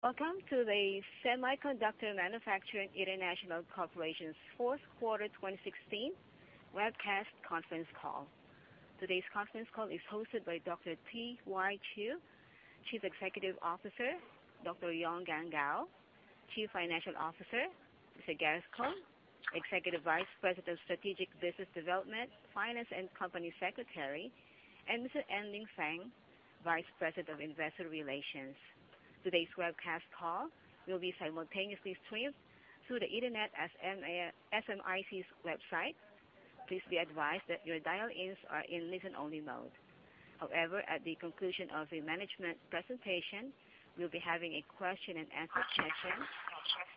Welcome to the Semiconductor Manufacturing International Corporation's fourth quarter 2016 webcast conference call. Today's conference call is hosted by Dr. Tzu-Yin Chiu, Chief Executive Officer, Dr. Gao Yonggang, Chief Financial Officer, Mr. Gareth Kung, Executive Vice President of Strategic Business Development, Finance, and Company Secretary, and Mr. En-Ling Feng, Vice President of Investor Relations. Today's webcast call will be simultaneously streamed through the internet at SMIC's website. Please be advised that your dial-ins are in listen-only mode. However, at the conclusion of the management presentation, we'll be having a question and answer session,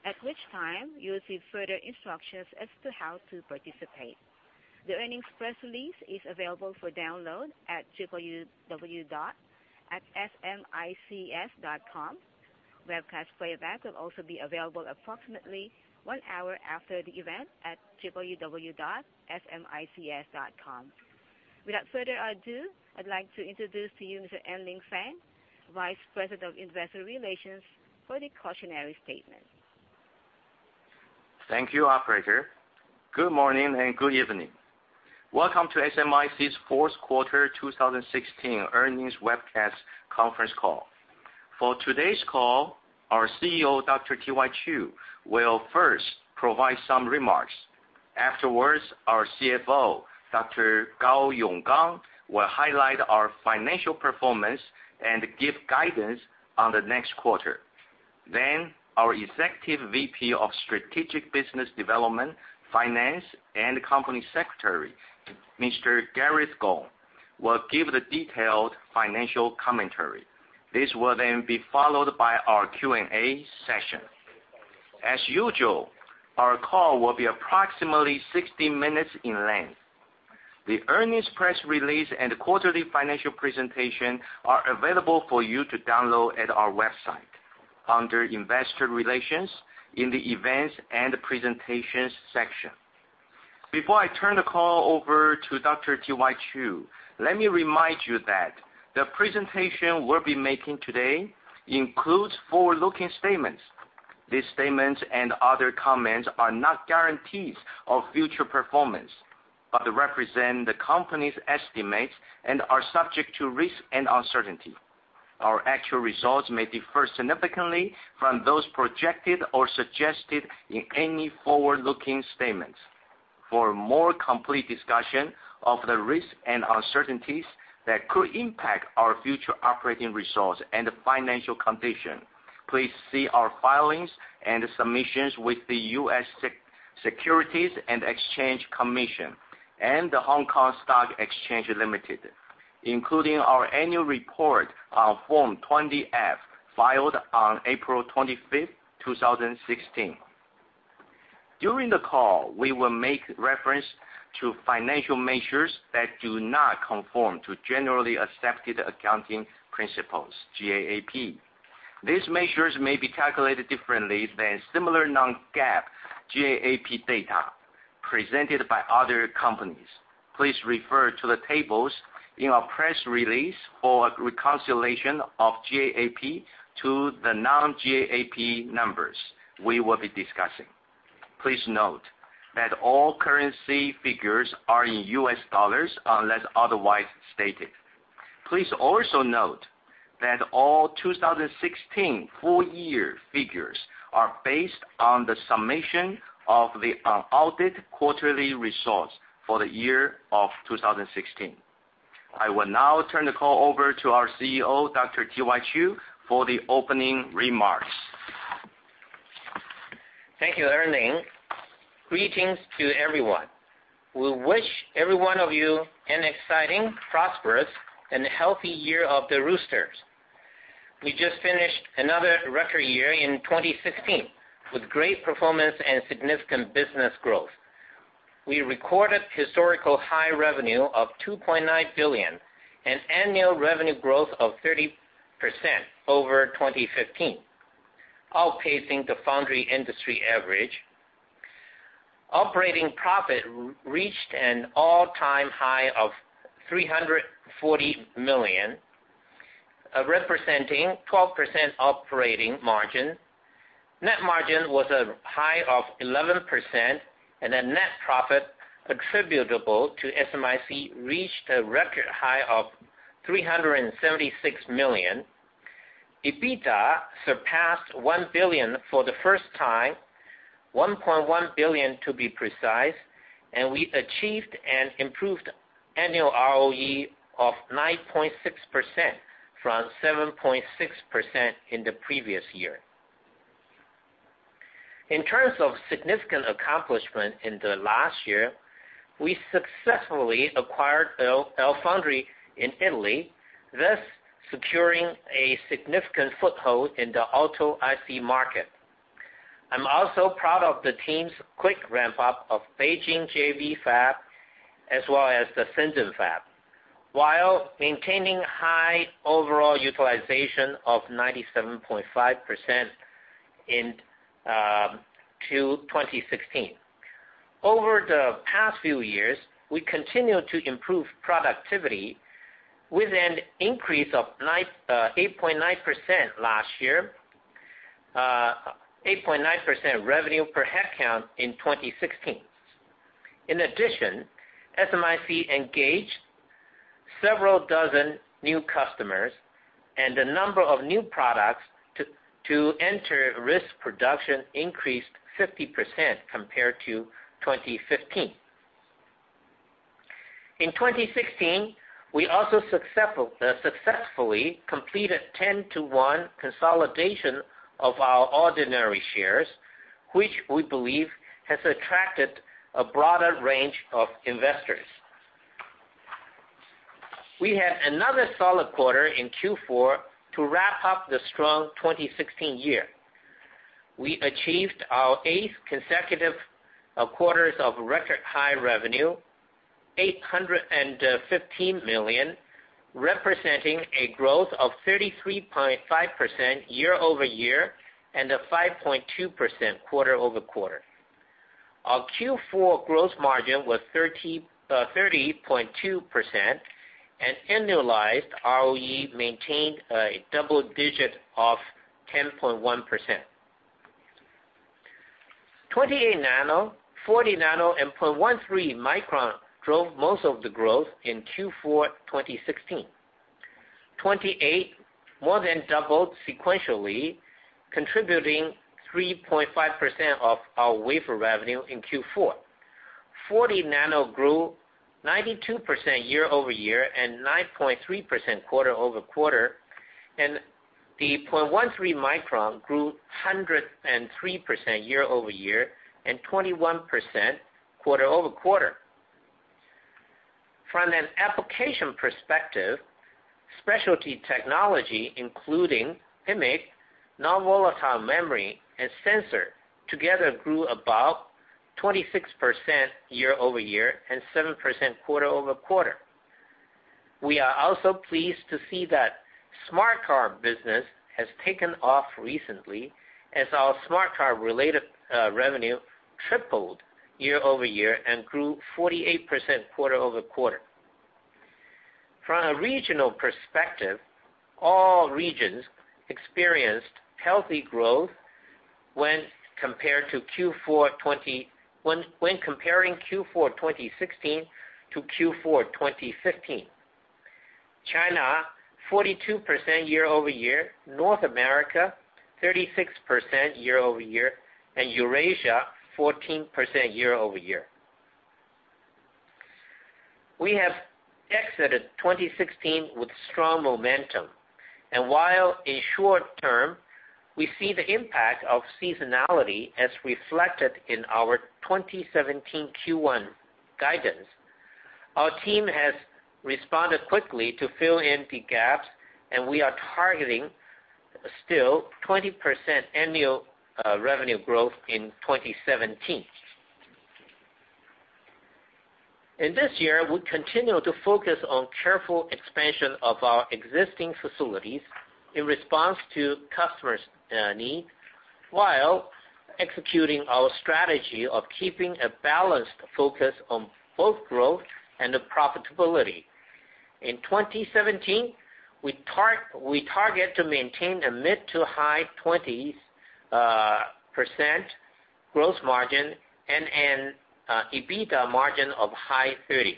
at which time you will see further instructions as to how to participate. The earnings press release is available for download at www.smics.com. Webcast playback will also be available approximately one hour after the event at www.smics.com. Without further ado, I'd like to introduce to you Mr. En-Ling Feng, Vice President of Investor Relations, for the cautionary statement. Thank you, operator. Good morning and good evening. Welcome to SMIC's fourth quarter 2016 earnings webcast conference call. For today's call, our CEO, Dr. T.Y. Chiu, will first provide some remarks. Afterwards, our CFO, Dr. Gao Yonggang, will highlight our financial performance and give guidance on the next quarter. Our Executive VP of Strategic Business Development, Finance, and Company Secretary, Mr. Gareth Kung, will give the detailed financial commentary. This will then be followed by our Q&A session. As usual, our call will be approximately 60 minutes in length. The earnings press release and quarterly financial presentation are available for you to download at our website under Investor Relations in the Events and Presentations section. Before I turn the call over to Dr. T.Y. Chiu, let me remind you that the presentation we'll be making today includes forward-looking statements. These statements and other comments are not guarantees of future performance, they represent the company's estimates and are subject to risk and uncertainty. Our actual results may differ significantly from those projected or suggested in any forward-looking statements. For a more complete discussion of the risks and uncertainties that could impact our future operating results and financial condition, please see our filings and submissions with the U.S. Securities and Exchange Commission and The Stock Exchange of Hong Kong Limited, including our annual report on Form 20-F, filed on April 25th, 2016. During the call, we will make reference to financial measures that do not conform to generally accepted accounting principles, GAAP. These measures may be calculated differently than similar non-GAAP GAAP data presented by other companies. Please refer to the tables in our press release for a reconciliation of GAAP to the non-GAAP numbers we will be discussing. Please note that all currency figures are in US dollars, unless otherwise stated. Please also note that all 2016 full-year figures are based on the summation of the unaudited quarterly results for the year of 2016. I will now turn the call over to our CEO, Dr. T.Y. Chiu, for the opening remarks. Thank you, En-Ling. Greetings to everyone. We wish every one of you an exciting, prosperous, and healthy Year of the Rooster. We just finished another record year in 2016 with great performance and significant business growth. We recorded historical high revenue of $2.9 billion and annual revenue growth of 30% over 2015, outpacing the foundry industry average. Operating profit reached an all-time high of $340 million, representing 12% operating margin. Net margin was a high of 11%, and the net profit attributable to SMIC reached a record high of $376 million. EBITDA surpassed $1 billion for the first time, $1.1 billion to be precise, and we achieved an improved annual ROE of 9.6% from 7.6% in the previous year. In terms of significant accomplishment in the last year, we successfully acquired LFoundry in Italy, thus securing a significant foothold in the auto IC market. I'm also proud of the team's quick ramp-up of Beijing JV Fab as well as the Shenzhen Fab, while maintaining high overall utilization of 97.5% in Q2 2016. Over the past few years, we continue to improve productivity with an increase of 8.9% last year, 8.9% revenue per headcount in 2016. In addition, SMIC engaged several dozen new customers and the number of new products to enter risk production increased 50% compared to 2015. In 2016, we also successfully completed 10-to-one consolidation of our ordinary shares, which we believe has attracted a broader range of investors. We had another solid quarter in Q4 to wrap up the strong 2016 year. We achieved our eighth consecutive quarters of record high revenue, $815 million, representing a growth of 33.5% year-over-year and a 5.2% quarter-over-quarter. Our Q4 gross margin was 30.2%, and annualized ROE maintained a double digit of 10.1%. 28 nano, 40 nano, and 0.13 micron drove most of the growth in Q4 2016. 28 more than doubled sequentially, contributing 3.5% of our wafer revenue in Q4. 40 nano grew 92% year-over-year and 9.3% quarter-over-quarter. The 0.13 micron grew 103% year-over-year and 21% quarter-over-quarter. From an application perspective, specialty technology, including imec, non-volatile memory and sensor together grew above 26% year-over-year and 7% quarter-over-quarter. We are also pleased to see that smart car business has taken off recently as our smart car related revenue tripled year-over-year and grew 48% quarter-over-quarter. From a regional perspective, all regions experienced healthy growth when comparing Q4 2016 to Q4 2015. China, 42% year-over-year. North America, 36% year-over-year. Eurasia, 14% year-over-year. We have exited 2016 with strong momentum, while in short term we see the impact of seasonality as reflected in our 2017 Q1 guidance, our team has responded quickly to fill in the gaps, we are targeting still 20% annual revenue growth in 2017. In this year, we continue to focus on careful expansion of our existing facilities in response to customers' needs, while executing our strategy of keeping a balanced focus on both growth and profitability. In 2017, we target to maintain a mid to high 20% growth margin and an EBITDA margin of high 30s.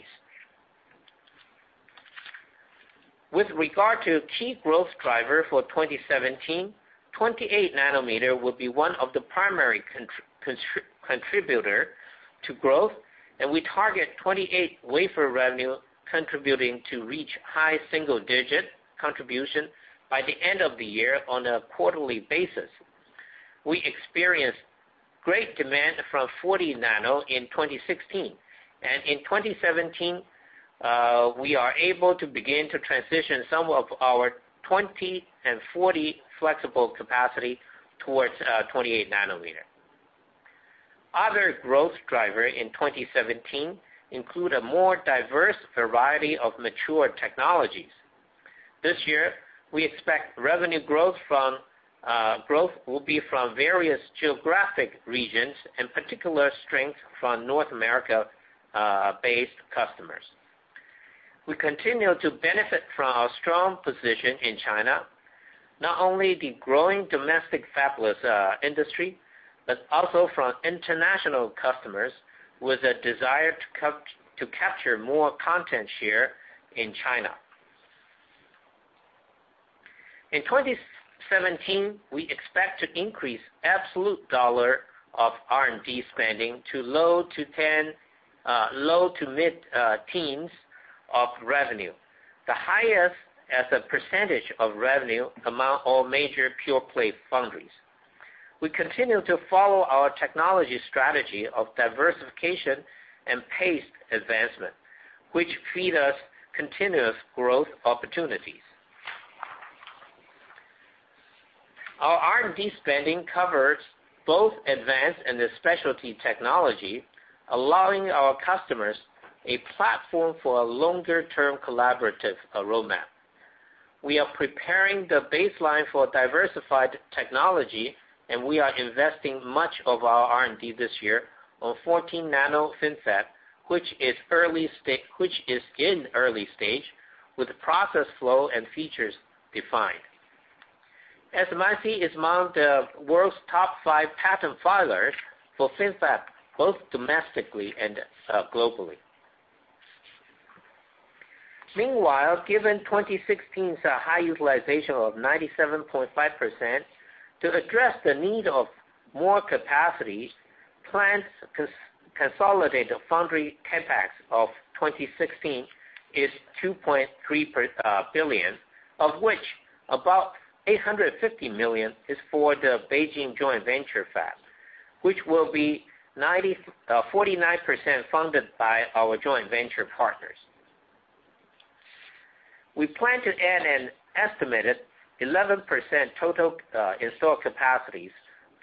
With regard to key growth driver for 2017, 28 nanometer will be one of the primary contributor to growth, we target 28 wafer revenue contributing to reach high single digit contribution by the end of the year on a quarterly basis. We experienced great demand from 40 nano in 2016. In 2017, we are able to begin to transition some of our 20 and 40 flexible capacity towards 28 nanometer. Other growth driver in 2017 include a more diverse variety of mature technologies. This year, we expect revenue growth will be from various geographic regions and particular strength from North America-based customers. We continue to benefit from our strong position in China, not only the growing domestic fabless industry, but also from international customers with a desire to capture more content share in China. In 2017, we expect to increase absolute dollar of R&D spending to low to mid-teens of revenue, the highest as a percentage of revenue among all major pure-play foundries. We continue to follow our technology strategy of diversification and paced advancement, which feed us continuous growth opportunities. Our R&D spending covers both advanced and the specialty technology, allowing our customers a platform for a longer-term collaborative roadmap. We are preparing the baseline for diversified technology, we are investing much of our R&D this year on 14 nano FinFET, which is in early stage with process flow and features defined. SMIC is among the world's top five patent filers for FinFET, both domestically and globally. Meanwhile, given 2016's high utilization of 97.5%, to address the need of more capacity, plans to consolidate the foundry CapEx of 2016 is $2.3 billion, of which about $850 million is for the Beijing JV Fab, which will be 49% funded by our joint venture partners. We plan to add an estimated 11% total installed capacities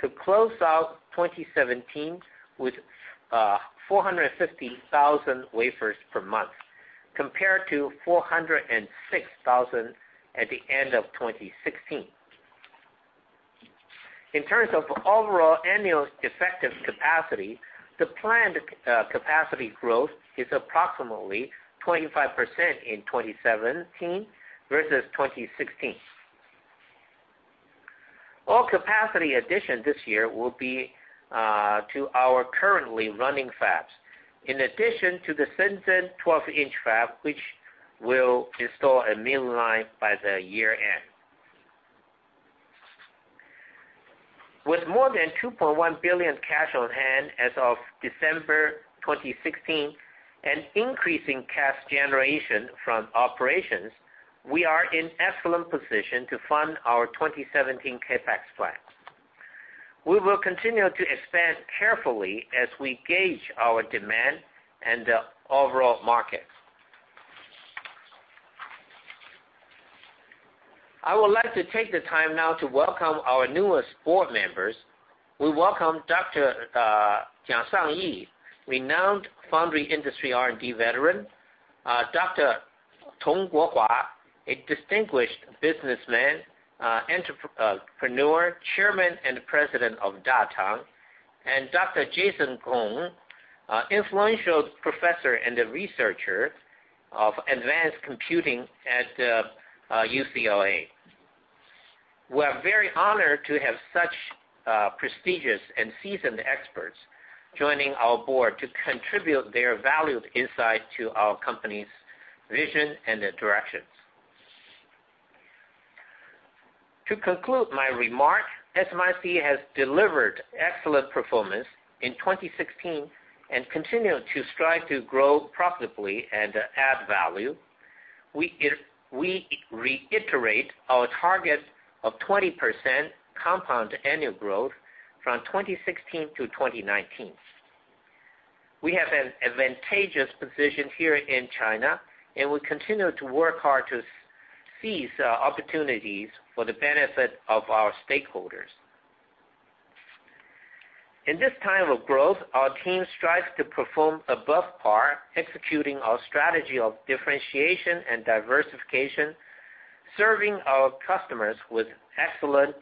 to close out 2017 with 450,000 wafers per month, compared to 406,000 at the end of 2016. In terms of overall annual effective capacity, the planned capacity growth is approximately 25% in 2017 versus 2016. All capacity addition this year will be to our currently running fabs, in addition to the Shenzhen 12-inch fab, which will install a new line by the year-end. With more than $2.1 billion cash on hand as of December 2016 and increasing cash generation from operations, we are in excellent position to fund our 2017 CapEx plans. We will continue to expand carefully as we gauge our demand and the overall market. I would like to take the time now to welcome our newest board members. We welcome Dr. Chiang Shang-Yi, renowned foundry industry R&D veteran, Dr. Tong Guohua, a distinguished businessman, entrepreneur, chairman, and president of Datang, and Dr. Jason Cong, influential professor and a researcher of advanced computing at the UCLA. We are very honored to have such prestigious and seasoned experts joining our board to contribute their valued insight to our company's vision and directions. To conclude my remark, SMIC has delivered excellent performance in 2016 and continue to strive to grow profitably and add value. We reiterate our target of 20% compound annual growth from 2016-2019. We have an advantageous position here in China, and we continue to work hard to seize opportunities for the benefit of our stakeholders. In this time of growth, our team strives to perform above par, executing our strategy of differentiation and diversification, serving our customers with excellence,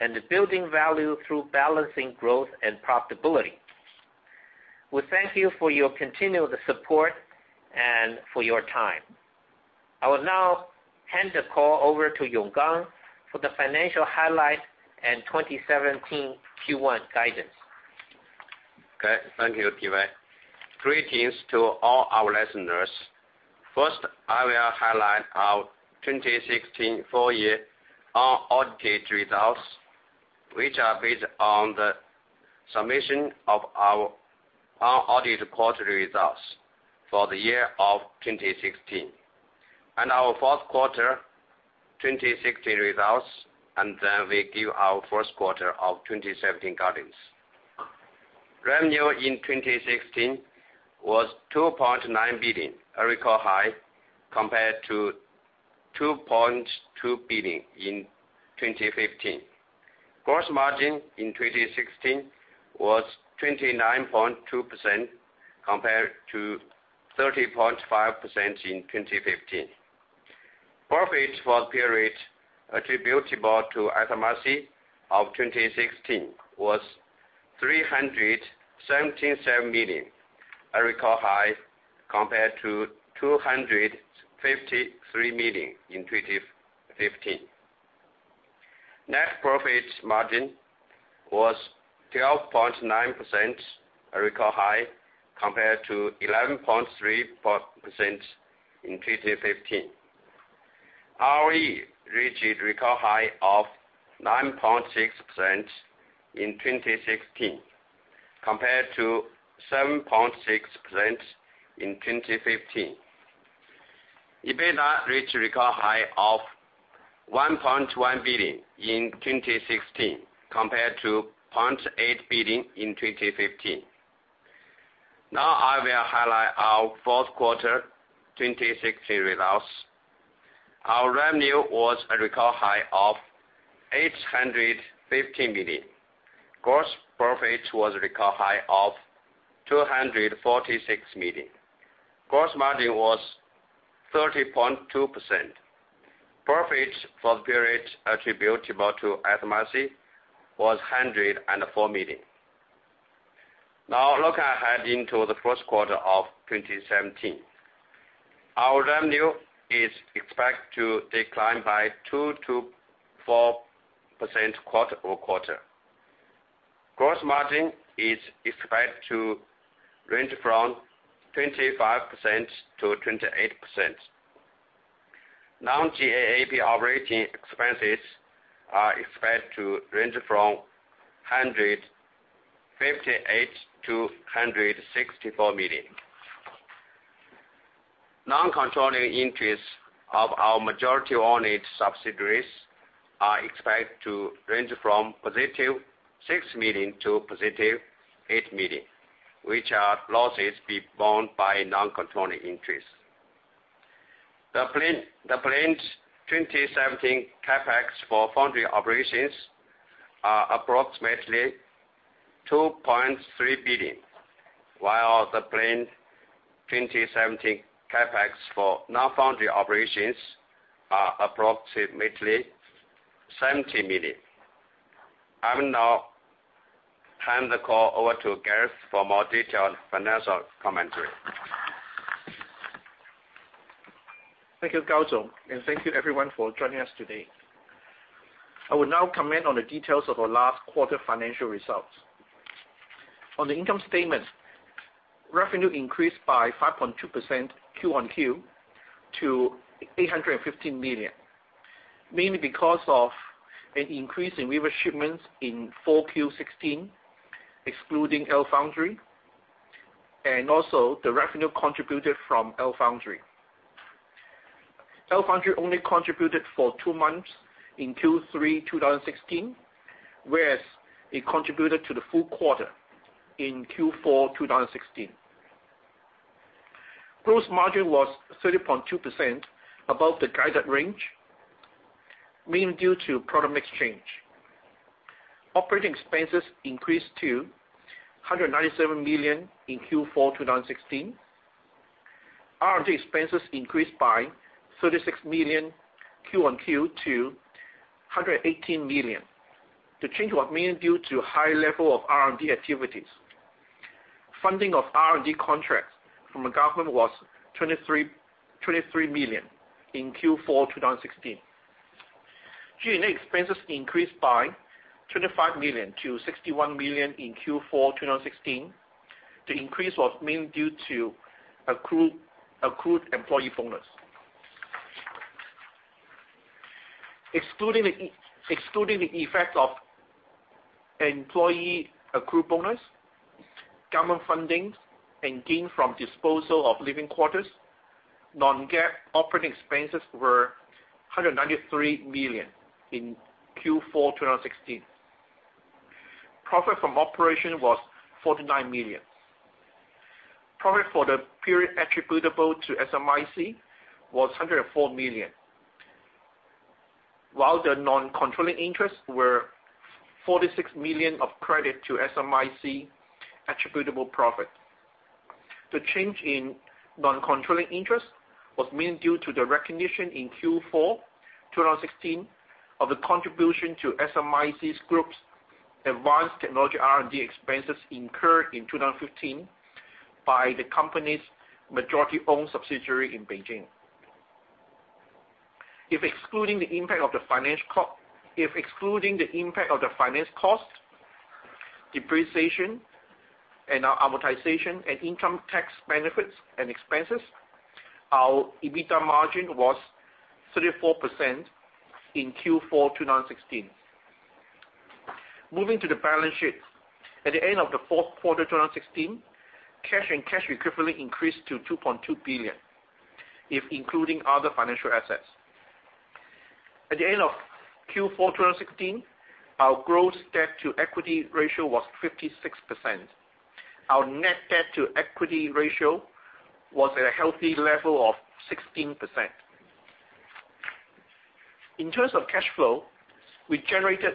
and building value through balancing growth and profitability. We thank you for your continued support and for your time. I will now hand the call over to Yonggang for the financial highlight and 2017 Q1 guidance. Okay. Thank you, Tzu-Yin Chiu. Greetings to all our listeners. First, I will highlight our 2016 full year unaudited results, which are based on the summation of our unaudited quarterly results for the year of 2016 and our fourth quarter 2016 results, and then we give our first quarter of 2017 guidance. Revenue in 2016 was $2.9 billion, a record high, compared to $2.2 billion in 2015. Gross margin in 2016 was 29.2% compared to 30.5% in 2015. Profit for the period attributable to SMIC of 2016 was $377 million, a record high, compared to $253 million in 2015. Net profit margin was 12.9%, a record high, compared to 11.3% in 2015. ROE reached a record high of 9.6% in 2016, compared to 7.6% in 2015. EBITDA reached a record high of $1.1 billion in 2016, compared to $0.8 billion in 2015. Now I will highlight our fourth quarter 2016 results. Our revenue was a record high of $815 million. Gross profit was record high of $246 million. Gross margin was 30.2%. Profit for the period attributable to SMIC was $104 million. Now looking ahead into the first quarter of 2017. Our revenue is expected to decline by 2%-4% quarter-over-quarter. Gross margin is expected to range from 25%-28%. non-GAAP operating expenses are expected to range from $158 million-$164 million. Non-controlling interests of our majority-owned subsidiaries are expected to range from positive $6 million-positive $8 million, which are losses borne by non-controlling interests. The planned 2017 CapEx for foundry operations are approximately $2.3 billion, while the planned 2017 CapEx for non-foundry operations are approximately $70 million. I will now hand the call over to Gareth for a more detailed financial commentary. Thank you, Gao. Thank you everyone for joining us today. On the income statement, revenue increased by 5.2% Q-on-Q to $815 million, mainly because of an increase in wafer shipments in Q4 2016, excluding LFoundry, and also the revenue contributed from LFoundry. LFoundry only contributed for two months in Q3 2016, whereas it contributed to the full quarter in Q4 2016. Gross margin was 30.2%, above the guided range, mainly due to product mix change. Operating expenses increased to $197 million in Q4 2016. R&D expenses increased by $36 million Q-on-Q to $118 million. The change was mainly due to high level of R&D activities. Funding of R&D contracts from the government was $23 million in Q4 2016. G&A expenses increased by $25 million to $61 million in Q4 2016. The increase was mainly due to accrued employee bonus. Excluding the effect of employee accrued bonus, government fundings and gain from disposal of living quarters, non-GAAP operating expenses were $193 million in Q4 2016. Profit from operation was $49 million. Profit for the period attributable to SMIC was $104 million, while the non-controlling interests were $46 million of credit to SMIC attributable profit. The change in non-controlling interests was mainly due to the recognition in Q4 2016 of the contribution to SMIC's group's advanced technology R&D expenses incurred in 2015 by the company's majority-owned subsidiary in Beijing. Excluding the impact of the finance cost, depreciation and amortization, and income tax benefits and expenses, our EBITDA margin was 34% in Q4 2016. Moving to the balance sheet. At the end of the fourth quarter 2016, cash and cash equivalents increased to $2.2 billion, if including other financial assets. At the end of Q4 2016, our gross debt-to-equity ratio was 56%. Our net debt-to-equity ratio was at a healthy level of 16%. In terms of cash flow, we generated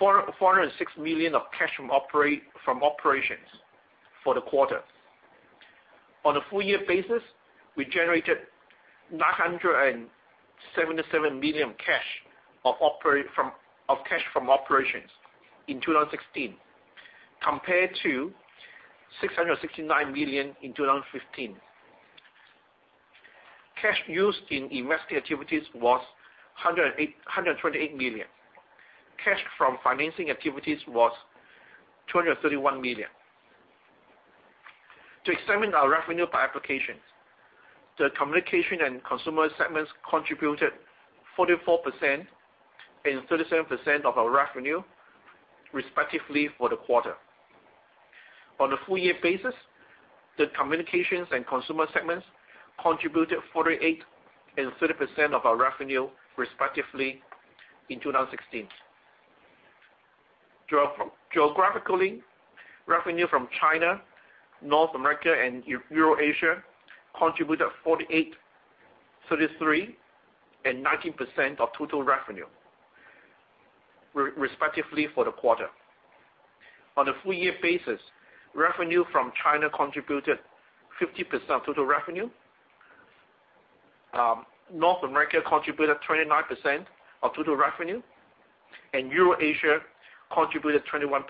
$406 million of cash from operations for the quarter. On a full year basis, we generated $977 million of cash from operations in 2016 compared to $669 million in 2015. Cash used in investing activities was $128 million. Cash from financing activities was $231 million. To examine our revenue by applications, the communication and consumer segments contributed 44% and 37% of our revenue, respectively, for the quarter. On a full year basis, the communications and consumer segments contributed 48% and 30% of our revenue, respectively, in 2016. Geographically, revenue from China, North America, and Eurasia contributed 48%, 33% and 19% of total revenue, respectively for the quarter. On a full year basis, revenue from China contributed 50% of total revenue. North America contributed 29% of total revenue, and Eurasia contributed 21%.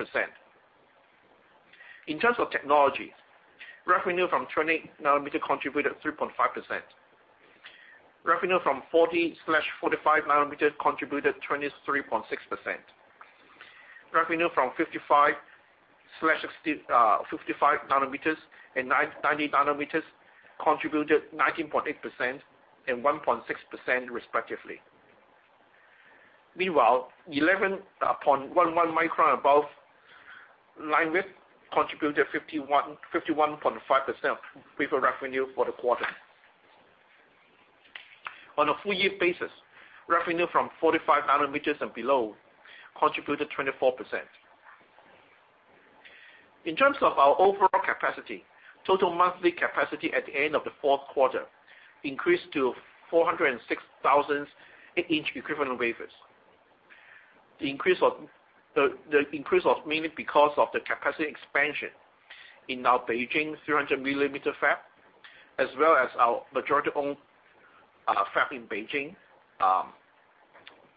In terms of technology, revenue from 28 nanometer contributed 3.5%. Revenue from 40/45 nanometer contributed 23.6%. Revenue from 55 nanometers and 90 nanometers contributed 19.8% and 1.6%, respectively. Meanwhile, 0.13 micron above line width contributed 51.5% wafer revenue for the quarter. On a full year basis, revenue from 45 nanometers and below contributed 24%. In terms of our overall capacity, total monthly capacity at the end of the fourth quarter increased to 406,000 8-inch equivalent wafers. The increase was mainly because of the capacity expansion in our Beijing 300mm fab, as well as our majority-owned fab in Beijing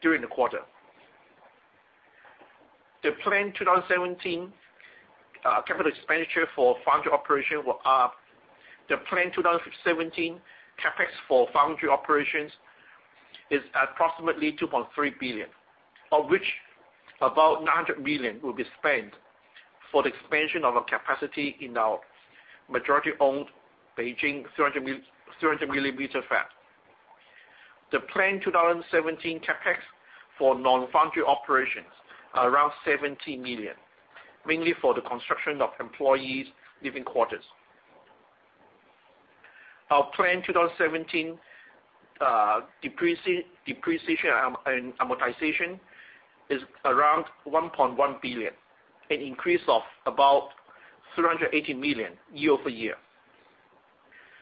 during the quarter. The planned 2017 CapEx for foundry operations is approximately $2.3 billion, of which about $900 million will be spent for the expansion of our capacity in our majority-owned Beijing 300mm fab. The planned 2017 CapEx for non-foundry operations are around $70 million, mainly for the construction of employees' living quarters. Our planned 2017 depreciation and amortization is around $1.1 billion, an increase of about $380 million year-over-year.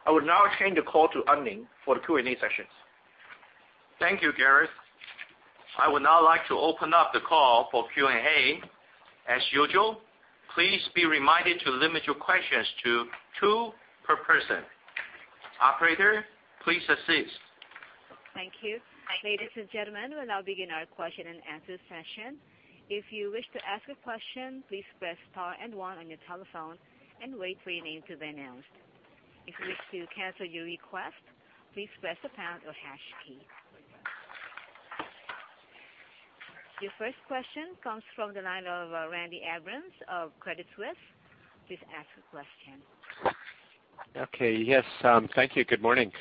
I would now hand the call to En-Ling for the Q&A sessions. Thank you, Gareth. I would now like to open up the call for Q&A. As usual, please be reminded to limit your questions to two per person. Operator, please assist. Thank you. Ladies and gentlemen, we will now begin our question and answer session. If you wish to ask a question, please press star and 1 on your telephone and wait for your name to be announced. If you wish to cancel your request, please press the pound or hash key. Your first question comes from the line of Randy Abrams of Credit Suisse. Please ask your question. Okay. Yes. Thank you. Good morning.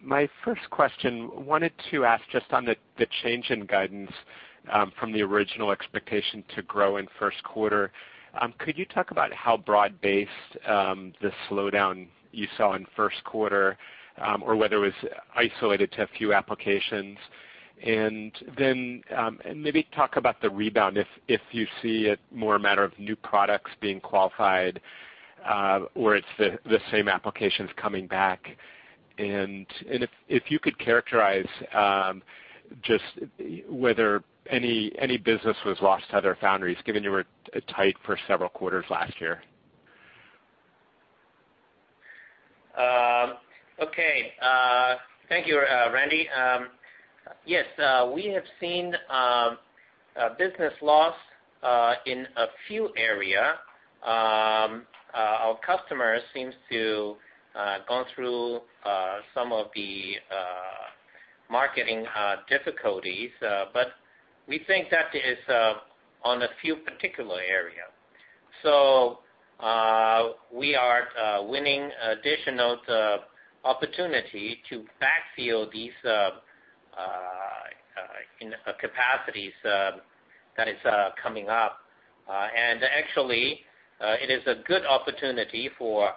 My first question, wanted to ask just on the change in guidance from the original expectation to grow in first quarter. Could you talk about how broad-based the slowdown you saw in first quarter, or whether it was isolated to a few applications? Then, maybe talk about the rebound, if you see it more a matter of new products being qualified, or it is the same applications coming back. If you could characterize just whether any business was lost to other foundries, given you were tight for several quarters last year. Okay. Thank you, Randy. Yes. We have seen business loss in a few area. Our customers seems to gone through some of the marketing difficulties. We think that is on a few particular area. We are winning additional opportunity to backfill these capacities that is coming up. Actually, it is a good opportunity for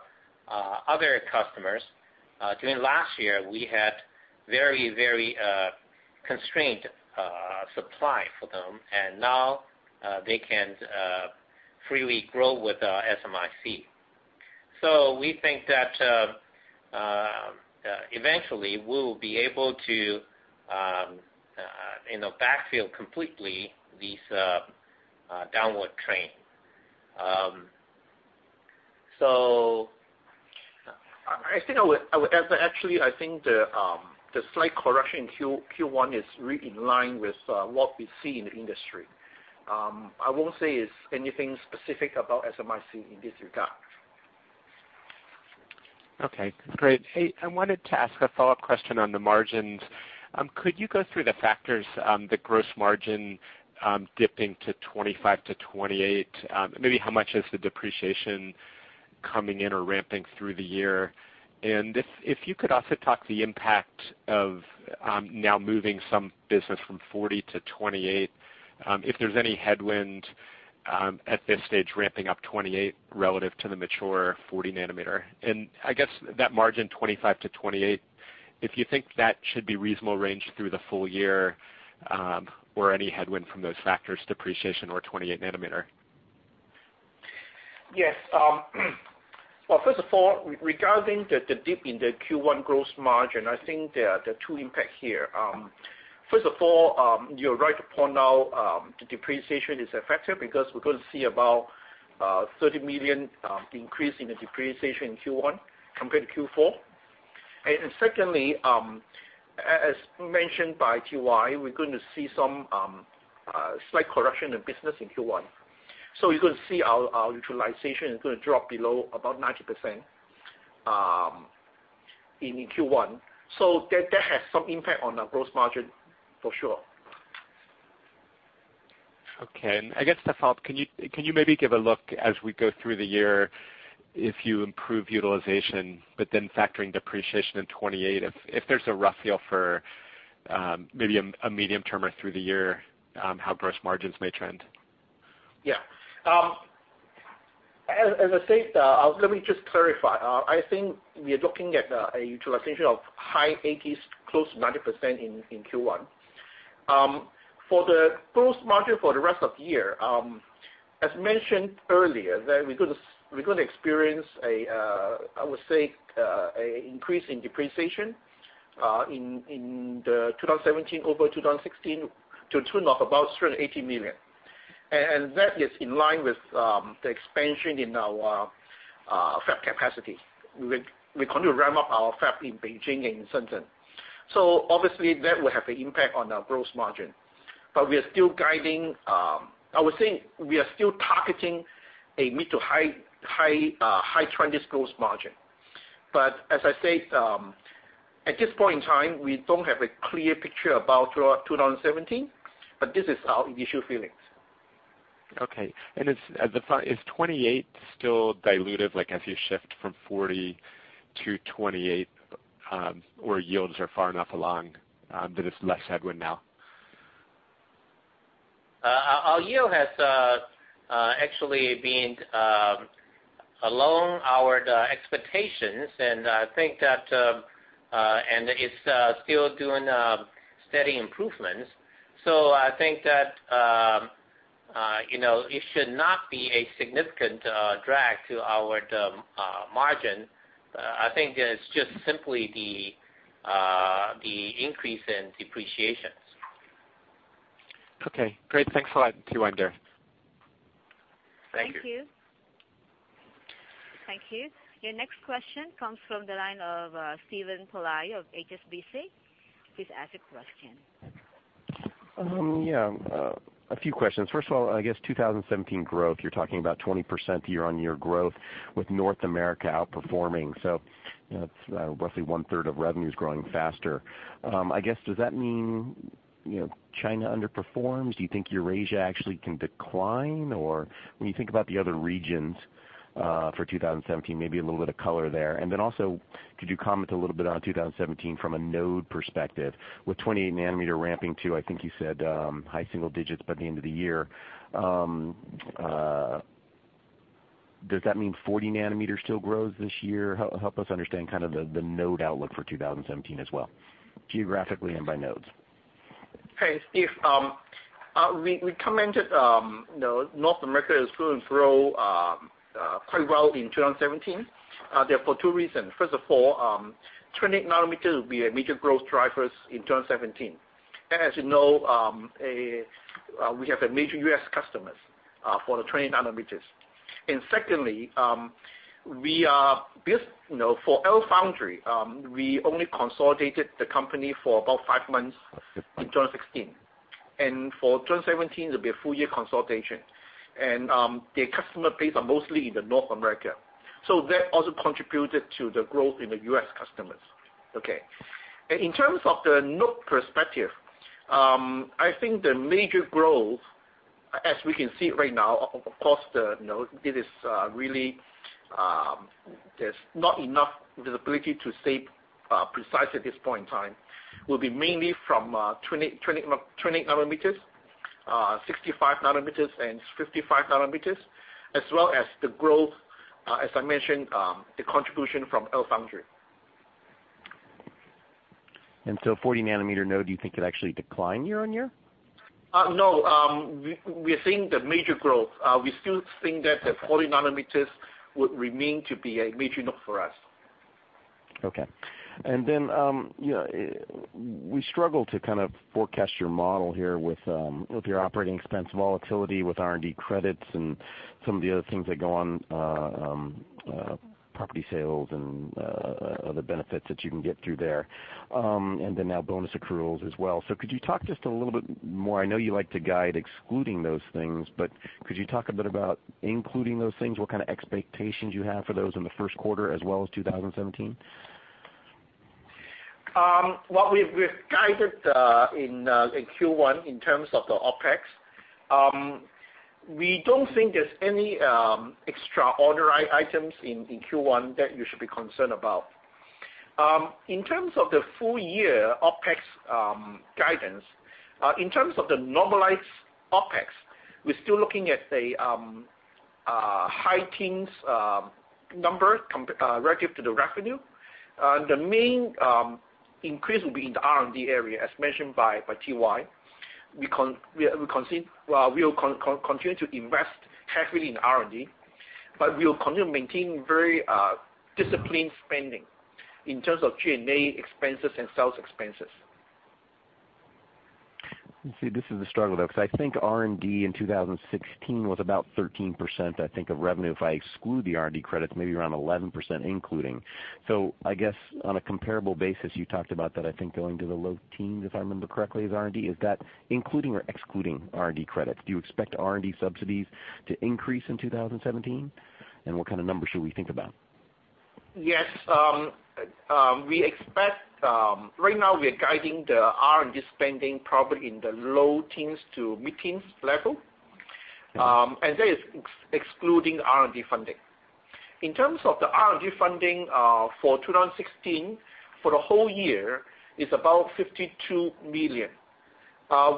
other customers. During last year, we had very constrained supply for them, and now they can freely grow with SMIC. We think that eventually we will be able to backfill completely these downward trend. Actually, I think the slight correction in Q1 is really in line with what we see in the industry. I won't say it's anything specific about SMIC in this regard. Okay. Great. Hey, I wanted to ask a follow-up question on the margins. Could you go through the factors, the gross margin dipping to 25%-28%? Maybe how much is the depreciation coming in or ramping through the year? If you could also talk the impact of now moving some business from 40 to 28, if there's any headwind at this stage ramping up 28 relative to the mature 40 nanometer. I guess that margin 25%-28%, if you think that should be reasonable range through the full year, or any headwind from those factors, depreciation or 28 nanometer. Yes. Well, first of all, regarding the dip in the Q1 gross margin, I think there are two impacts here. First of all, you're right to point out depreciation is a factor because we're going to see about $30 million increase in the depreciation in Q1 compared to Q4. Secondly, as mentioned by TY, we're going to see some slight correction in business in Q1. You're going to see our utilization is going to drop below about 90% in Q1. That has some impact on our gross margin, for sure. Okay. I guess, Stephane, can you maybe give a look as we go through the year if you improve utilization, but then factoring depreciation in 28, if there's a rough feel for maybe a medium term or through the year, how gross margins may trend? As I said, let me just clarify. I think we are looking at a utilization of high 80s, close to 90% in Q1. For the gross margin for the rest of the year, as mentioned earlier, that we're going to experience, I would say, an increase in depreciation in 2017 over 2016 to tune of about $380 million. That is in line with the expansion in our fab capacity. We're going to ramp up our fab in Beijing and in Shenzhen. Obviously that will have an impact on our gross margin. We are still guiding, I would say, we are still targeting a mid to high 20s gross margin. As I said, at this point in time, we don't have a clear picture about 2017, but this is our initial feelings. Okay. Is 28 still dilutive, like as you shift from 40 to 28, where yields are far enough along, that it's less headwind now? Our yield has actually been along our expectations, and I think that it's still doing steady improvements. I think that it should not be a significant drag to our margin. I think it's just simply the increase in depreciations. Okay, great. Thanks a lot, TY and Stephane. Thank you. Thank you. Thank you. Your next question comes from the line of Steven Pelayo of HSBC. Please ask your question. Yeah. A few questions. First of all, I guess 2017 growth, you're talking about 20% year-on-year growth with North America outperforming. That's roughly one-third of revenues growing faster. I guess, does that mean China underperforms? Do you think Eurasia actually can decline? When you think about the other regions for 2017, maybe a little bit of color there. Also, could you comment a little bit on 2017 from a node perspective with 28 nanometer ramping to, I think you said, high single digits by the end of the year. Does that mean 40 nanometer still grows this year? Help us understand the node outlook for 2017 as well, geographically and by nodes. Hey, Steve. We commented North America is going to grow quite well in 2017. They are for two reasons. First of all, 28 nanometer will be a major growth driver in 2017. As you know, we have major U.S. customers for the 28 nanometers. Secondly, for LFoundry, we only consolidated the company for about five months in 2016. For 2017, it will be a full year consolidation. Their customer base are mostly in the North America. That also contributed to the growth in the U.S. customers. Okay. In terms of the node perspective, I think the major growth, as we can see it right now across the node, there's not enough visibility to say precise at this point in time. Will be mainly from 28 nanometers, 65 nm, and 55 nm, as well as the growth, as I mentioned, the contribution from LFoundry. 40 nanometer node, do you think it actually decline year-on-year? No. We are seeing the major growth. We still think that the 40 nanometers would remain to be a major node for us. Okay. Then, we struggle to kind of forecast your model here with your operating expense volatility with R&D credits and some of the other things that go on, property sales and other benefits that you can get through there. Then now bonus accruals as well. Could you talk just a little bit more? I know you like to guide excluding those things, but could you talk a bit about including those things? What kind of expectations you have for those in the first quarter as well as 2017? What we've guided in Q1 in terms of the OpEx, we don't think there's any extraordinary items in Q1 that you should be concerned about. In terms of the full year OpEx guidance, in terms of the normalized OpEx, we're still looking at a high teens number relative to the revenue. The main increase will be in the R&D area, as mentioned by TY. We will continue to invest heavily in R&D, we will continue maintaining very disciplined spending in terms of G&A expenses and sales expenses. Let's see. This is the struggle, though, because I think R&D in 2016 was about 13%, I think of revenue, if I exclude the R&D credits, maybe around 11% including. I guess on a comparable basis, you talked about that, I think going to the low teens, if I remember correctly, as R&D. Is that including or excluding R&D credits? Do you expect R&D subsidies to increase in 2017? What kind of numbers should we think about? Yes. Right now, we are guiding the R&D spending probably in the low teens to mid-teens level. That is excluding R&D funding. In terms of the R&D funding, for 2016, for the whole year, it's about $52 million.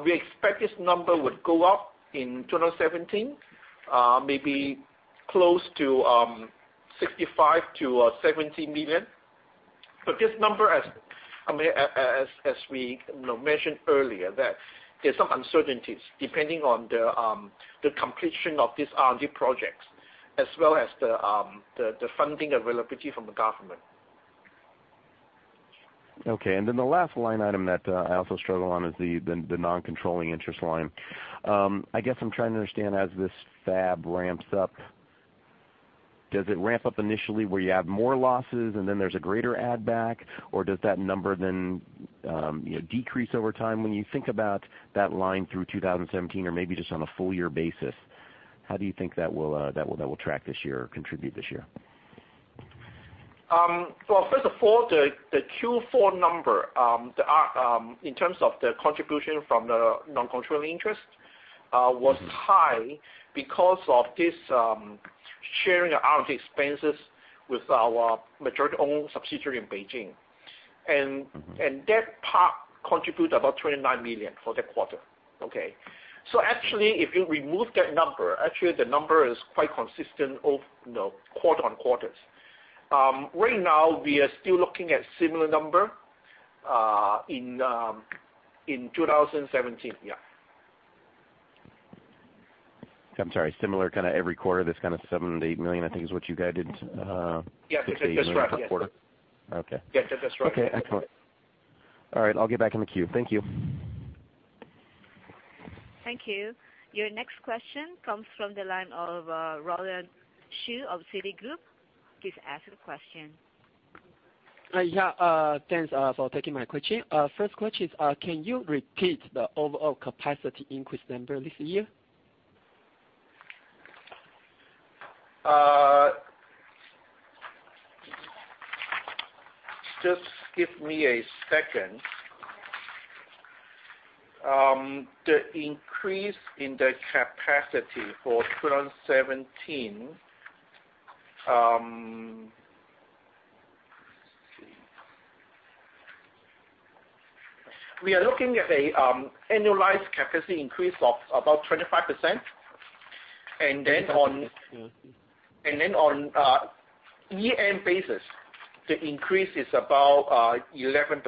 We expect this number would go up in 2017, maybe close to $65 million to $70 million. This number, as we mentioned earlier, that there's some uncertainties depending on the completion of these R&D projects as well as the funding availability from the government. Okay. The last line item that I also struggle on is the non-controlling interest line. I guess I'm trying to understand as this fab ramps up, does it ramp up initially where you have more losses and then there's a greater add back, or does that number then decrease over time? When you think about that line through 2017 or maybe just on a full-year basis, how do you think that will track this year or contribute this year? Well, first of all, the Q4 number, in terms of the contribution from the non-controlling interest, was high because of this sharing of R&D expenses with our majority-owned subsidiary in Beijing. That part contributes about $29 million for the quarter. Okay. Actually, if you remove that number, actually the number is quite consistent quarter-on-quarter. Right now, we are still looking at similar number in 2017. Yeah. I'm sorry, similar every quarter, this kind of $7 million-$8 million, I think, is what you guided- Yes. That's right. Yes. per quarter. Yes. That's right. Okay. Excellent. All right. I'll get back in the queue. Thank you. Thank you. Your next question comes from the line of Roland Shu of Citigroup. Please ask your question. Yeah. Thanks for taking my question. First question is, can you repeat the overall capacity increase number this year? Just give me a second. The increase in the capacity for 2017. Let's see. We are looking at an annualized capacity increase of about 25%. On year-end basis, the increase is about 11%.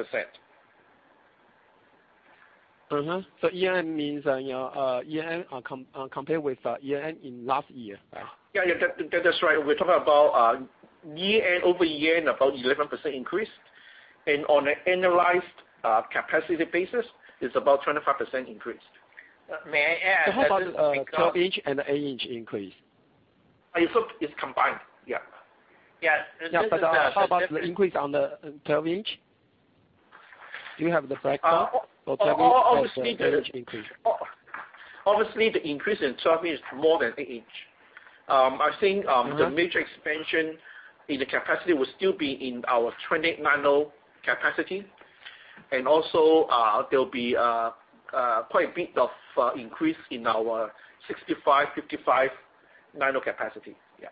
Year-end means compared with year-end in last year? Yeah. That's right. We're talking about year-end over year-end, about 11% increase. On an annualized capacity basis, it's about 25% increase. May I add. How about 12-inch and 8-inch increase? It's combined. Yeah. Yeah. How about the increase on the 12-inch? Do you have the breakdown for 12-inch and 8-inch increase? Obviously, the increase in 12-inch is more than 8-inch. I think the major expansion in the capacity will still be in our 28 nano capacity. Also, there'll be quite a bit of increase in our 65, 55 nano capacity. Yeah.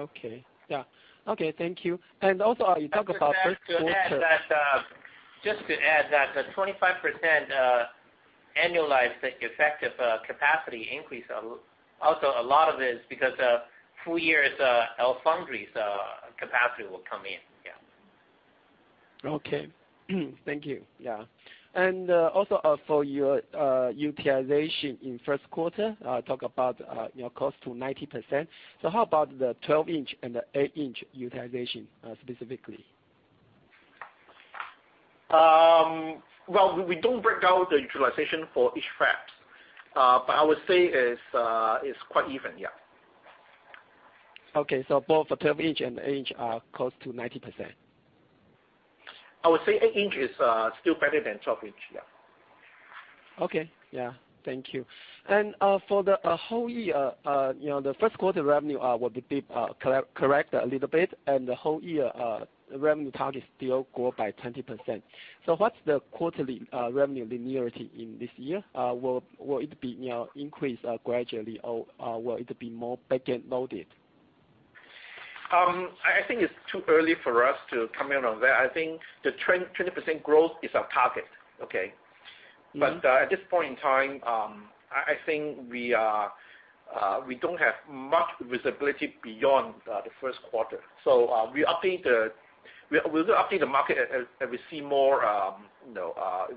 Okay. Yeah. Okay. Thank you. You talk about first quarter- Just to add that the 25% annualized effective capacity increase, also a lot of it is because full year's foundry's capacity will come in. Yeah. Okay. Thank you. Yeah. For your utilization in first quarter, talk about close to 90%. How about the 12-inch and the 8-inch utilization specifically? Well, we don't break out the utilization for each fabs. I would say it's quite even. Yeah. Okay. Both the 12-inch and 8-inch are close to 90%. I would say 8-inch is still better than 12-inch. Yeah. Okay. Yeah. Thank you. For the whole year, the first quarter revenue will be corrected a little bit, the whole year revenue target still grow by 20%. What's the quarterly revenue linearity in this year? Will it be increase gradually, or will it be more backend loaded? I think it's too early for us to comment on that. I think the 20% growth is our target. Okay? At this point in time, I think we don't have much visibility beyond the first quarter. We'll update the market as we see more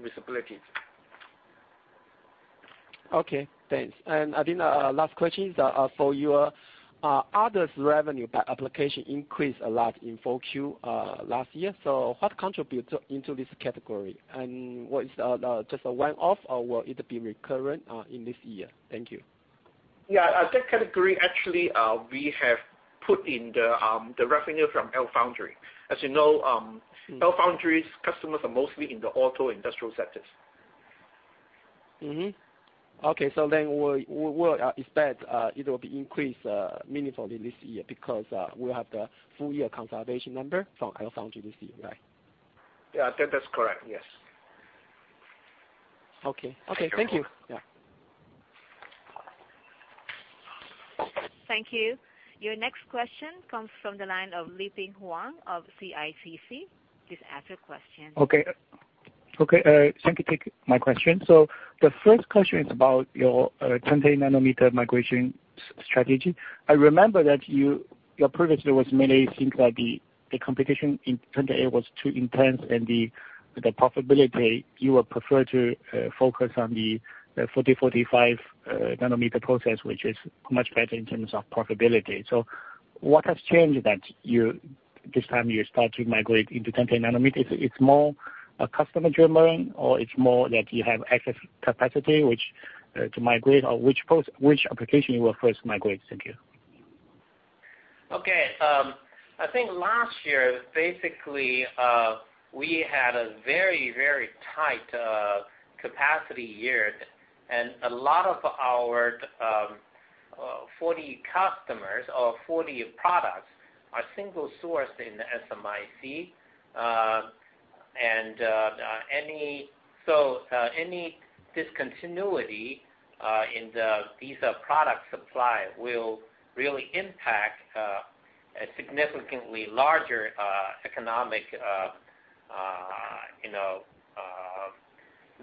visibility. Okay, thanks. I think last question is for you. Others revenue by application increased a lot in Q4 last year. What contributed into this category? Was it just a one-off, or will it be recurrent in this year? Thank you. Yeah. That category, actually, we have put in the revenue from LFoundry. As you know, LFoundry's customers are mostly in the auto industrial sectors. Okay. We'll expect it will be increased meaningfully this year because we'll have the full year consolidation number from LFoundry this year, right? Yeah. That's correct. Yes. Okay. Thank you. Yeah. Thank you. Your next question comes from the line of Leping Huang of CICC. Please ask your question. Okay. Thank you. My question. The first question is about your 28 nanometer migration strategy. I remember that you previously was mainly think that the competition in 28 was too intense and the profitability, you would prefer to focus on the 40, 45 nanometer process, which is much better in terms of profitability. What has changed that this time you start to migrate into 20 nanometer? It's more a customer driven, or it's more that you have excess capacity to migrate, or which application you will first migrate? Thank you. Okay. I think last year, basically, we had a very tight capacity year. A lot of our 40 customers or 40 products are single sourced in the SMIC. Any discontinuity in these product supply will really impact a significantly larger economic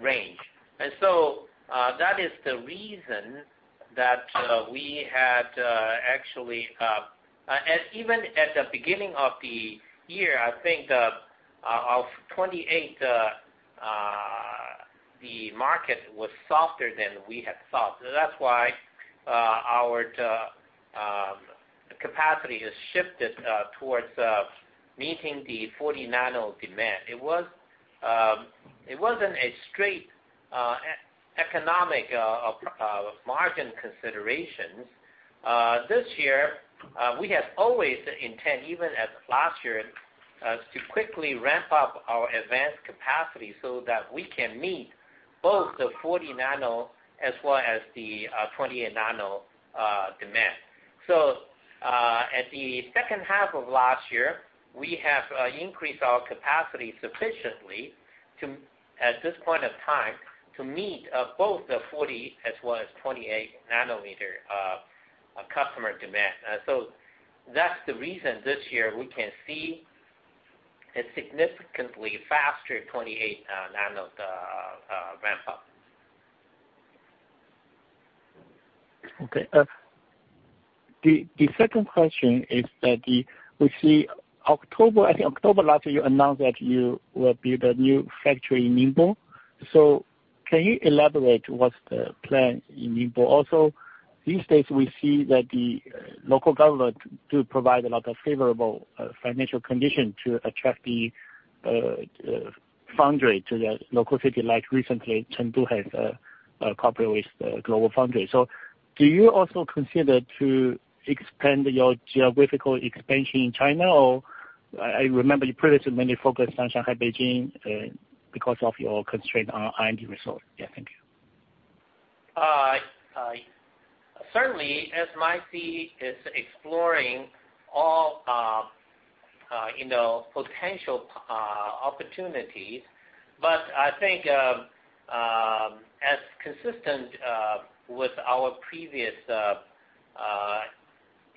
range. That is the reason that we had actually. Even at the beginning of the year, I think of 28, the market was softer than we had thought. That's why our capacity has shifted towards meeting the 40 nano demand. It wasn't a straight economic margin consideration. This year, we have always intend, even at last year, to quickly ramp up our advanced capacity so that we can meet both the 40 nano as well as the 28 nano demand. At the second half of last year, we have increased our capacity sufficiently at this point of time to meet both the 40 as well as 28 nanometer customer demand. That's the reason this year we can see a significantly faster 28 nano ramp up. Okay. The second question is that we see October last year, you announced that you will build a new factory in Ningbo. Can you elaborate what's the plan in Ningbo? Also, these days we see that the local government do provide a lot of favorable financial condition to attract the foundry to the local city like recently Chengdu has a cooperation with GlobalFoundries. Do you also consider to expand your geographical expansion in China? Or I remember you previously mainly focused on Shanghai, Beijing, because of your constraint on R&D resource. Yeah, thank you. Certainly, SMIC is exploring all potential opportunities. I think, as consistent with our previous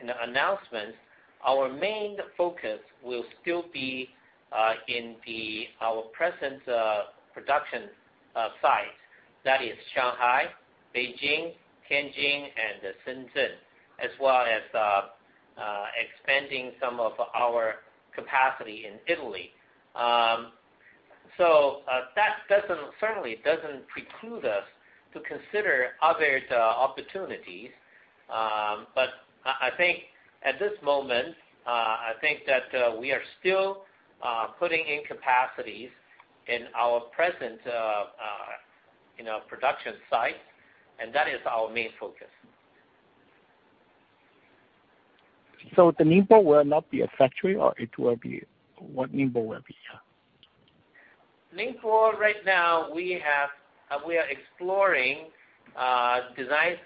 announcements, our main focus will still be in our present production sites. That is Shanghai, Beijing, Tianjin, and Shenzhen, as well as expanding some of our capacity in Italy. That certainly doesn't preclude us to consider other opportunities. I think at this moment, that we are still putting in capacities in our present production site, and that is our main focus. The Ningbo will not be a factory, or it will be? What Ningbo will be? Yeah. Ningbo, right now, we are exploring design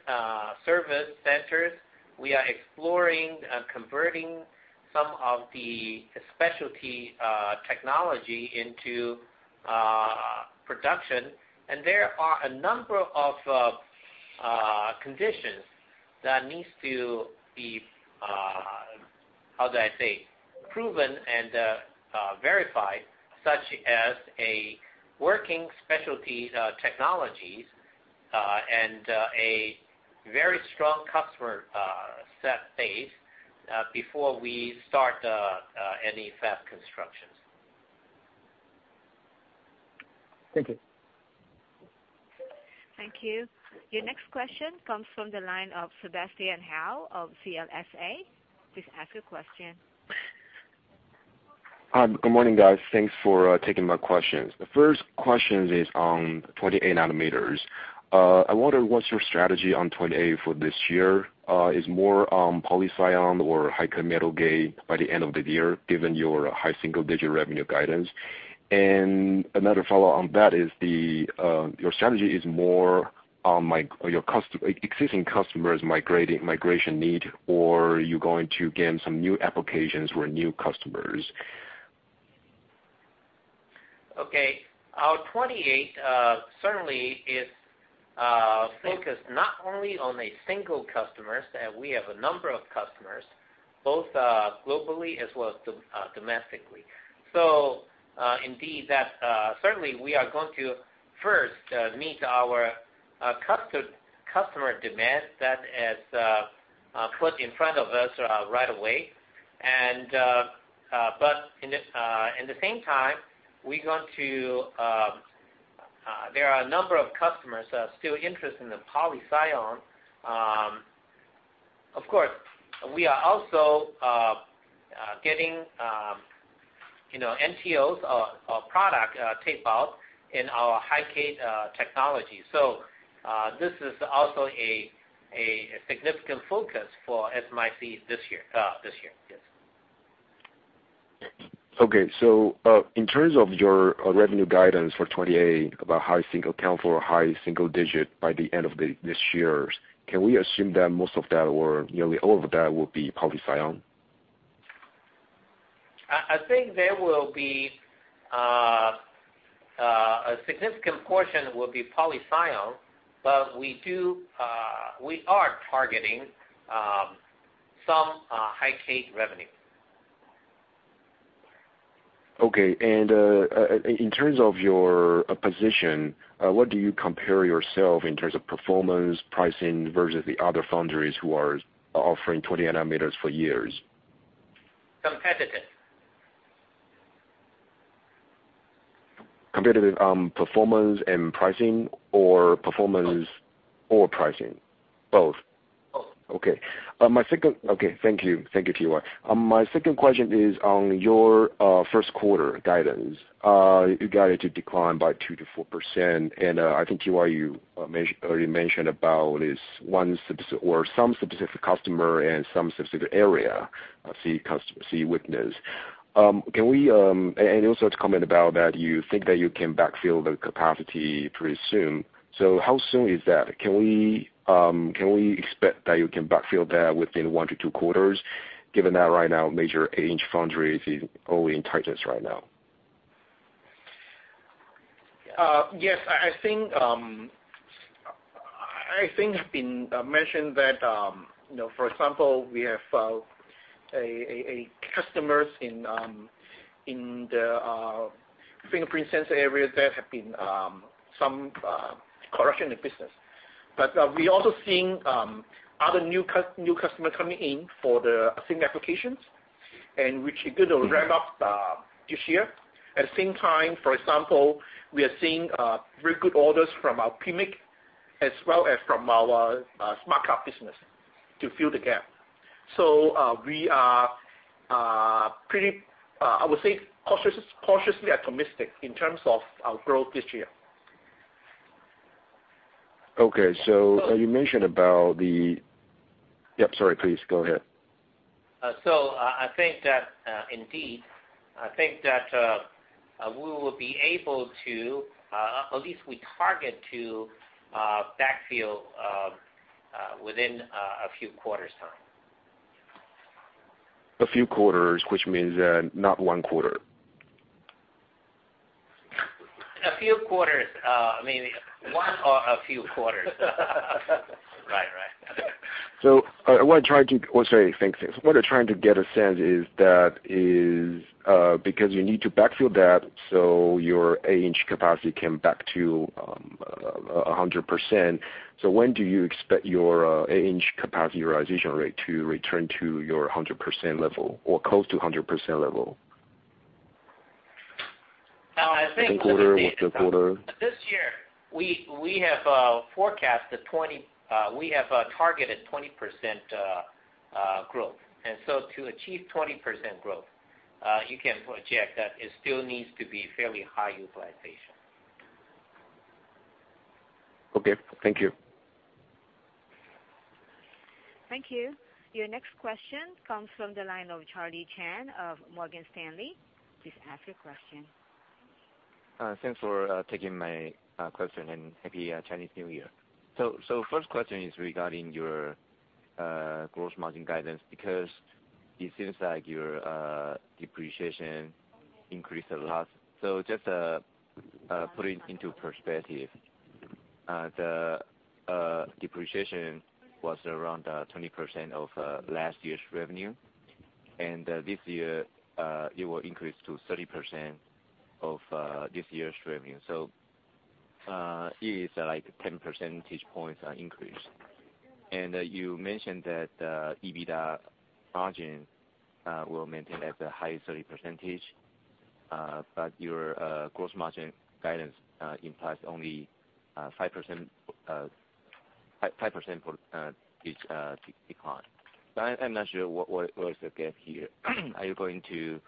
service centers. We are exploring converting some of the specialty technology into production. There are a number of conditions that needs to be How do I say? Proven and verified, such as a working specialty technologies, and a very strong customer set base, before we start any fab constructions. Thank you. Thank you. Your next question comes from the line of Sebastian Hou of CLSA. Please ask your question. Hi. Good morning, guys. Thanks for taking my questions. The first question is on 28 nanometers. I wonder what's your strategy on 28 for this year. Is more on poly-SiON or high-k metal gate by the end of the year, given your high single-digit revenue guidance? Another follow on that is, your strategy is more on your existing customers migration need, or are you going to gain some new applications for new customers? Okay. Our 28 certainly is focused not only on a single customer. We have a number of customers, both globally as well as domestically. Indeed, certainly we are going to first meet our customer demand that is put in front of us right away. In the same time, there are a number of customers still interested in the poly-SiON. Of course, we are also getting NTOs product tape out in our high-k technology. This is also a significant focus for SMIC this year. Yes. Okay. In terms of your revenue guidance for 28, about high single count or high single digit by the end of this year, can we assume that most of that or nearly all of that will be poly-SiON? I think a significant portion will be poly-SiON, but we are targeting some high-k revenue. Okay. In terms of your position, what do you compare yourself in terms of performance, pricing, versus the other foundries who are offering 20 nanometer for years? Competitive. Competitive on performance and pricing or performance- Both or pricing? Both. Both. Okay. Thank you, TY. My second question is on your first quarter guidance. You guided to decline by 2%-4%. I think, TY, you already mentioned about this one specific or some specific customer and some specific area see weakness. Also to comment about that you think that you can backfill the capacity pretty soon. How soon is that? Can we expect that you can backfill that within one to two quarters, given that right now major 8-inch foundry is already in tightness right now? Yes. I think I've been mentioned that for example, we have a customer in the fingerprint sensor area that have been some correction in business. We also seeing other new customer coming in for the same applications, and which are going to ramp up this year. At the same time, for example, we are seeing very good orders from our PMIC as well as from our smart card business to fill the gap. We are, I would say, cautiously optimistic in terms of our growth this year. Okay. You mentioned about the Yep, sorry. Please go ahead. I think that indeed, we will be able to, or at least we target to, backfill within a few quarters time. A few quarters, which means not one quarter. A few quarters, meaning one or a few quarters. Right. What I'm trying to get a sense is that is because you need to backfill that, so your 8-inch capacity came back to 100%. When do you expect your 8-inch capacity utilization rate to return to your 100% level or close to 100% level? I think. One quarter or two quarter? This year, we have targeted 20% growth. To achieve 20% growth, you can project that it still needs to be fairly high utilization. Okay. Thank you. Thank you. Your next question comes from the line of Charlie Chan of Morgan Stanley. Please ask your question. Thanks for taking my question, and Happy Chinese New Year. First question is regarding your gross margin guidance because it seems like your depreciation increased a lot. Just putting into perspective, the depreciation was around 20% of last year's revenue, and this year it will increase to 30% of this year's revenue. It is like 10 percentage points increase. You mentioned that the EBITDA margin will maintain at the high 30%, but your gross margin guidance implies only 5% decline. I'm not sure what is the gap here. Are you going to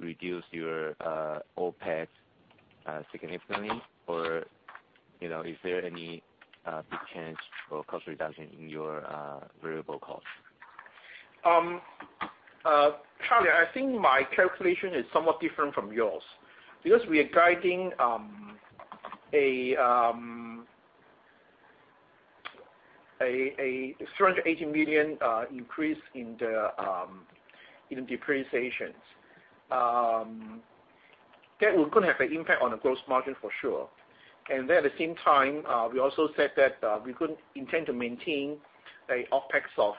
reduce your OpEx significantly, or is there any big change for cost reduction in your variable cost? Charlie, I think my calculation is somewhat different from yours. We are guiding a $380 million increase in the depreciations. That could have an impact on the gross margin for sure. At the same time, we also said that we could intend to maintain an OpEx of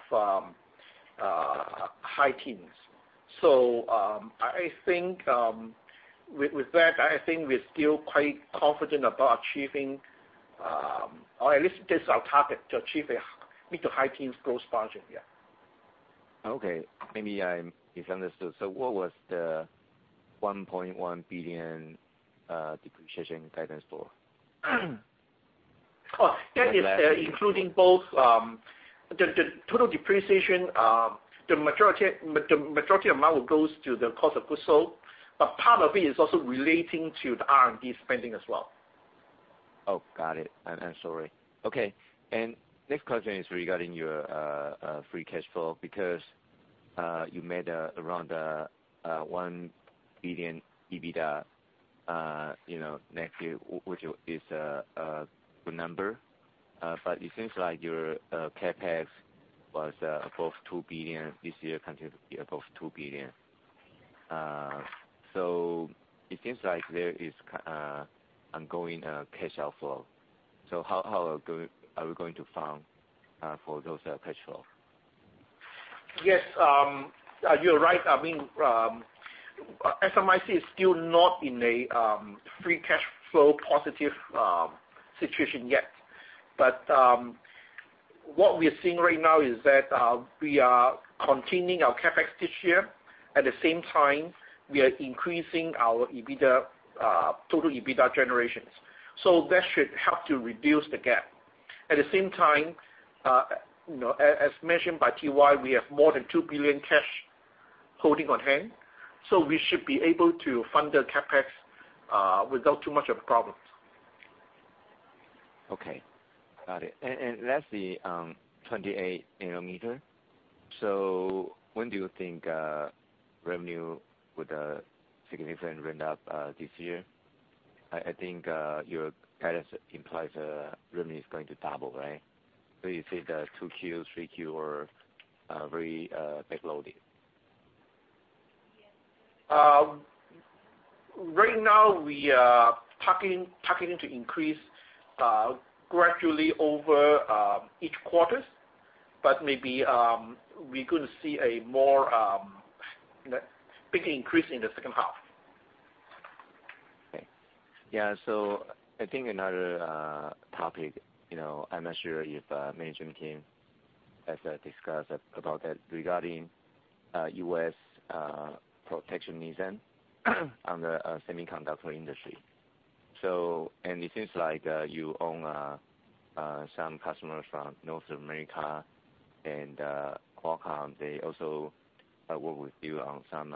high teens. With that, I think we're still quite confident about achieving, or at least this is our target, to achieve a mid to high teens gross margin. Yeah. Okay. Maybe I misunderstood. What was the $1.1 billion depreciation guidance for? That is including both. The total depreciation, the majority amount goes to the cost of goods sold, but part of it is also relating to the R&D spending as well. Got it. I'm sorry. Okay. Next question is regarding your free cash flow, because you made around $1 billion EBITDA next year, which is a good number. It seems like your CapEx was above $2 billion this year, continues to be above $2 billion. It seems like there is ongoing cash outflow. How are we going to fund for those cash flow? Yes. You're right. SMIC is still not in a free cash flow positive situation yet. What we are seeing right now is that we are continuing our CapEx this year. At the same time, we are increasing our total EBITDA generations. That should help to reduce the gap. At the same time, as mentioned by TY, we have more than $2 billion cash holding on hand. We should be able to fund the CapEx without too much of a problem. Okay. Got it. Lastly, 28 nanometer. When do you think revenue would significantly ramp up this year? I think your guidance implies revenue is going to double, right? You think that 2Q, 3Q are very back-loaded. Right now, we are targeting to increase gradually over each quarters, maybe we could see a more big increase in the second half. Okay. Yeah. I think another topic, I'm not sure if management team has discussed about that regarding U.S. protectionism on the semiconductor industry. It seems like you own some customers from North America and Qualcomm. They also work with you on some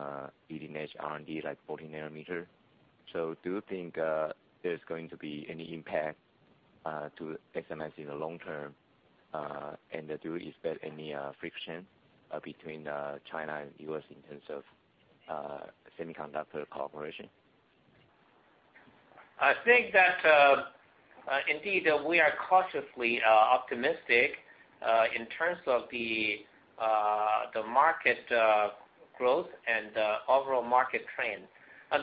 leading-edge R&D, like 14 nanometer. Do you think there's going to be any impact to SMIC in the long term? Do you expect any friction between China and U.S. in terms of semiconductor cooperation? I think that indeed, we are cautiously optimistic in terms of the market growth and the overall market trend.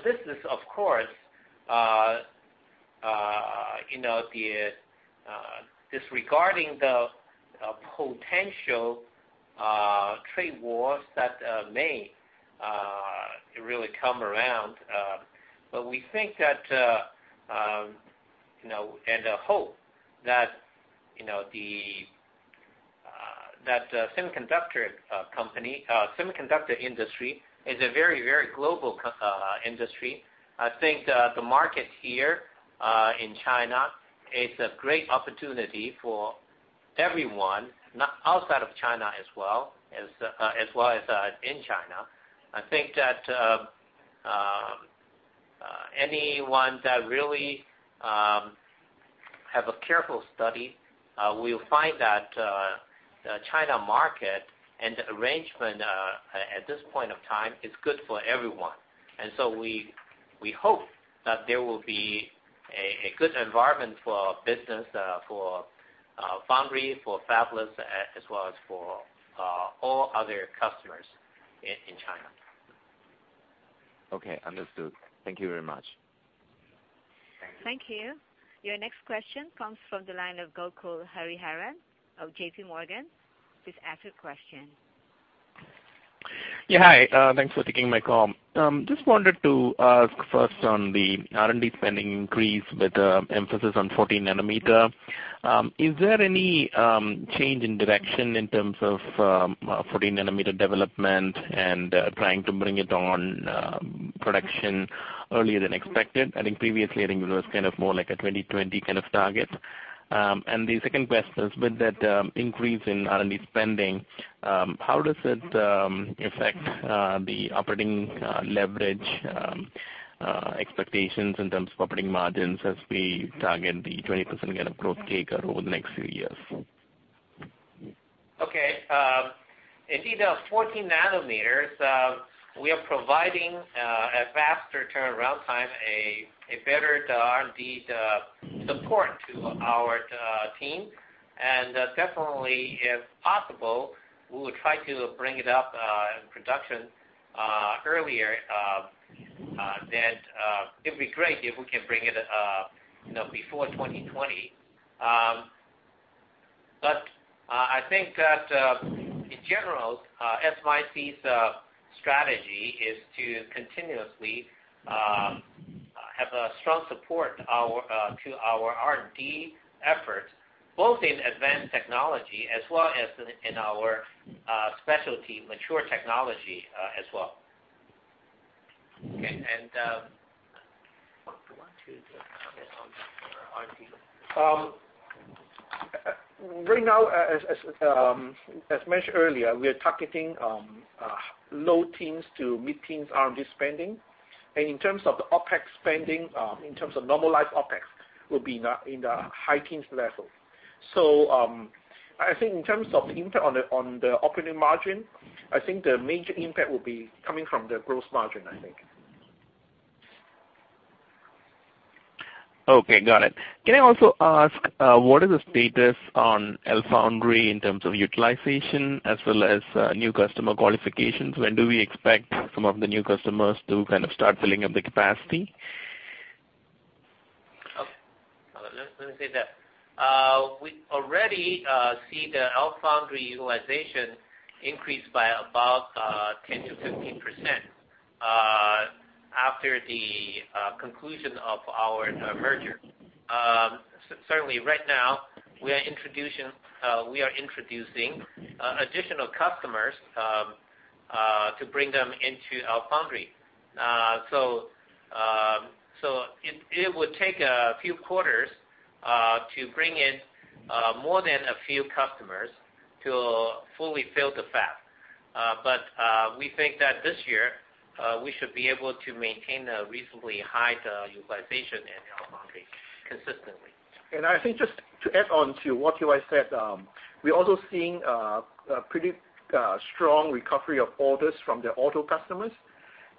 This is, of course, disregarding the potential trade wars that may really come around. We think that, and hope that the semiconductor industry is a very global industry. I think the market here in China is a great opportunity for everyone, outside of China as well as in China. I think that anyone that really have a careful study will find that the China market and the arrangement at this point of time is good for everyone. We hope that there will be a good environment for business, for foundry, for fabless, as well as for all other customers in China. Okay, understood. Thank you very much. Thank you. Your next question comes from the line of Gokul Hariharan of JP Morgan. Please ask your question. Yeah, hi. Thanks for taking my call. Just wanted to ask first on the R&D spending increase with the emphasis on 14 nanometer. Is there any change in direction in terms of 14 nanometer development and trying to bring it on production earlier than expected? I think previously, I think it was more like a 2020 target. The second question is, with that increase in R&D spending, how does it affect the operating leverage expectations in terms of operating margins as we target the 20% growth CAGR over the next few years? Okay. Indeed, the 14 nanometers, we are providing a faster turnaround time, a better R&D support to our team. Definitely, if possible, we will try to bring it up in production earlier. It'd be great if we can bring it before 2020. I think that in general, SMIC's strategy is to continuously have a strong support to our R&D efforts, both in advanced technology as well as in our specialty mature technology as well. Okay. Do you want to comment on R&D? Right now, as mentioned earlier, we are targeting low teens to mid-teens R&D spending. In terms of the OpEx spending, in terms of normalized OpEx, will be in the high teens level. I think in terms of the impact on the operating margin, I think the major impact will be coming from the gross margin, I think. Okay, got it. Can I also ask, what is the status on LFoundry in terms of utilization as well as new customer qualifications? When do we expect some of the new customers to start filling up the capacity? Okay. Let me say that. We already see the LFoundry utilization increased by about 10%-15% after the conclusion of our merger. Certainly, right now we are introducing additional customers to bring them into LFoundry. It would take a few quarters to bring in more than a few customers to fully fill the fab. We think that this year, we should be able to maintain a reasonably high utilization in LFoundry consistently. I think just to add on to what Chiu said, we're also seeing a pretty strong recovery of orders from the auto customers.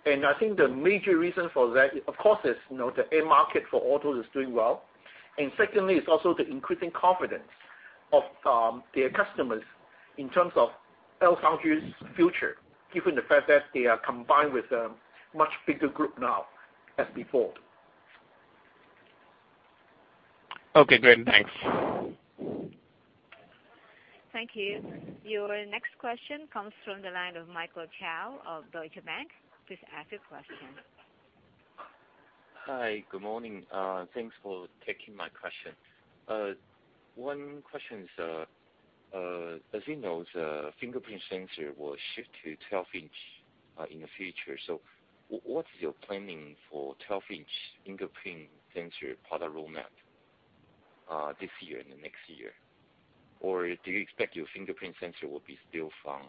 I think the major reason for that, of course, is the end market for autos is doing well. Secondly, it's also the increasing confidence of their customers in terms of LFoundry's future, given the fact that they are combined with a much bigger group now as before. Okay, great. Thanks. Thank you. Your next question comes from the line of Michael Chao of Deutsche Bank. Please ask your question. Hi, good morning. Thanks for taking my question. One question is, as you know, the fingerprint sensor will shift to 12-inch in the future. What is your planning for 12-inch fingerprint sensor product roadmap this year and the next year? Or do you expect your fingerprint sensor will be still from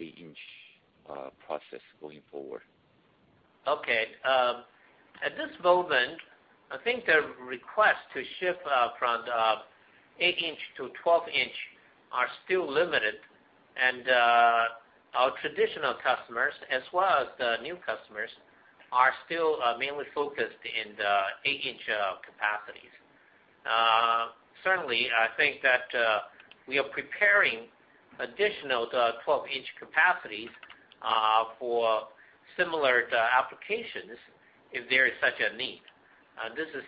8-inch process going forward? Okay. At this moment, I think the requests to shift from the 8-inch to 12-inch are still limited, and our traditional customers, as well as the new customers, are still mainly focused in the 8-inch capacities. Certainly, I think that we are preparing additional 12-inch capacities for similar applications if there is such a need. This is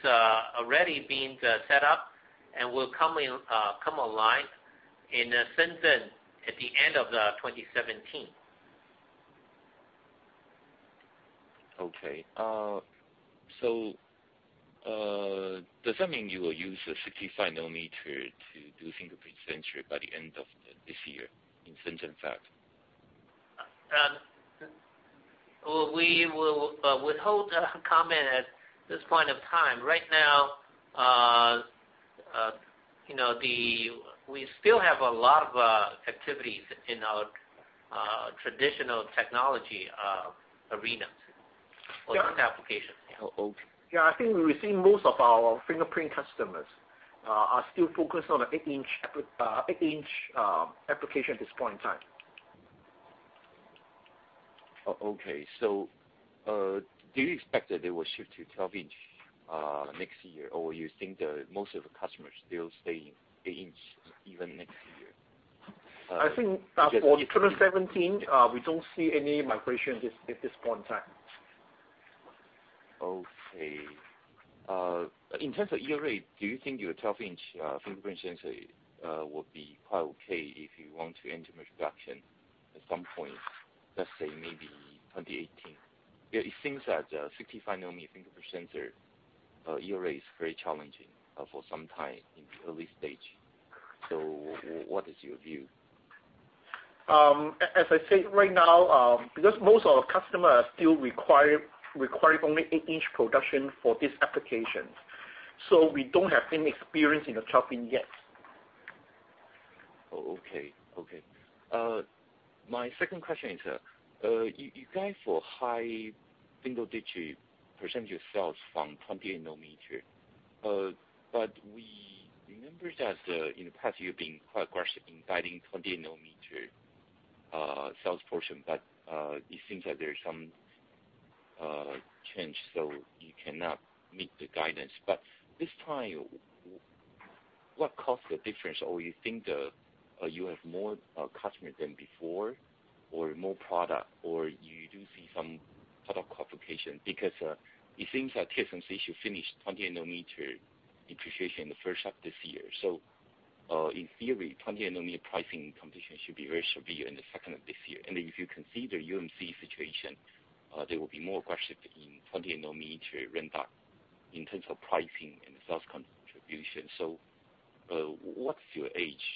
already being set up and will come online in Shenzhen at the end of 2017. Does that mean you will use the 65 nanometer to do fingerprint sensor by the end of this year in Shenzhen fab? We will withhold a comment at this point of time. Right now, we still have a lot of activities in our traditional technology arenas for different applications. Yeah. I think we receive most of our fingerprint customers are still focused on the 8-inch application at this point in time. Do you expect that they will shift to 12-inch next year? Or you think that most of the customers still stay eight-inch even next year? I think for 2017, we don't see any migration at this point in time. In terms of yield rate, do you think your 12-inch fingerprint sensor will be quite okay if you want to enter mass production at some point, let's say maybe 2018? It seems that 65 nanometer fingerprint sensor yield rate is very challenging for some time in the early stage. What is your view? As I said, right now, because most of our customers still require only eight-inch production for this application, so we don't have any experience in the 12-inch yet. My second question is, you guys saw high single-digit % of sales from 28-nanometer. We remember that in the past you've been quite cautious in guiding 28-nanometer sales portion, but it seems that there's some change, so you cannot meet the guidance. This time, what caused the difference? You think that you have more customers than before, or more product, or you do see some product qualification? It seems that TSMC should finish 28-nanometer introduction in the first half of this year. In theory, 28-nanometer pricing condition should be very severe in the second of this year. If you can see the UMC situation, there will be more questions in 28-nanometer ramp-up in terms of pricing and sales contribution. What's your edge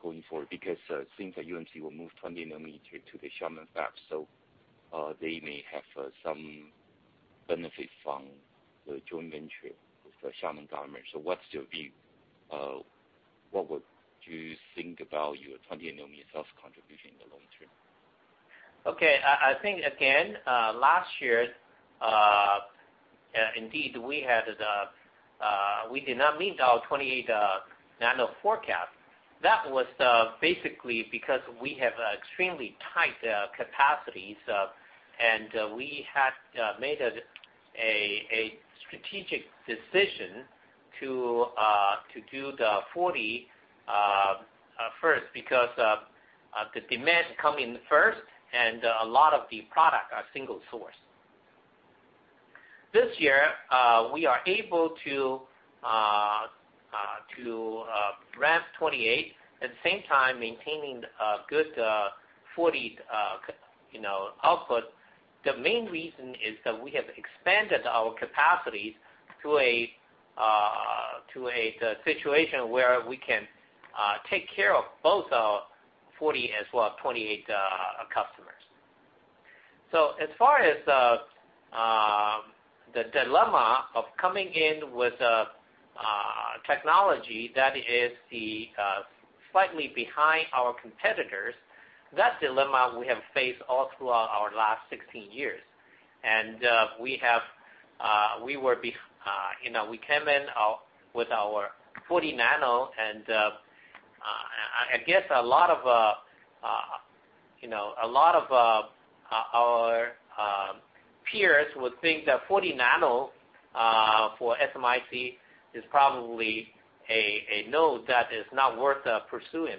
going forward? It seems that UMC will move 28-nanometer to the Xiamen fab, so they may have some benefit from the joint venture with the Xiamen government. What's your view? What would you think about your 28-nanometer sales contribution in the long term? Okay. I think again, last year, indeed we did not meet our 28 nano forecast. That was basically because we have extremely tight capacities, and we had made a strategic decision to do the 40 first because the demand come in first and a lot of the product are single source. This year, we are able to ramp 28, at the same time maintaining a good 40 output. The main reason is that we have expanded our capacities to a situation where we can take care of both our 40 as well as 28 customers. As far as the dilemma of coming in with a technology that is slightly behind our competitors, that's a dilemma we have faced all throughout our last 16 years. We came in with our 40 nano and I guess a lot of our peers would think that 40 nano for SMIC is probably a node that is not worth pursuing,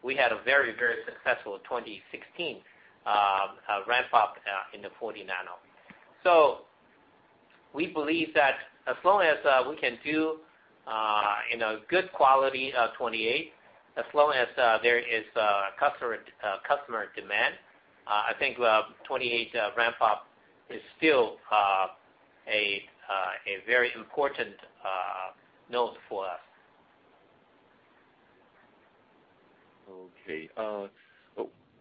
but we had a very successful 2016 ramp-up in the 40 nano. We believe that as long as we can do good quality 28, as long as there is customer demand, I think 28 ramp-up is still a very important node for us. Okay.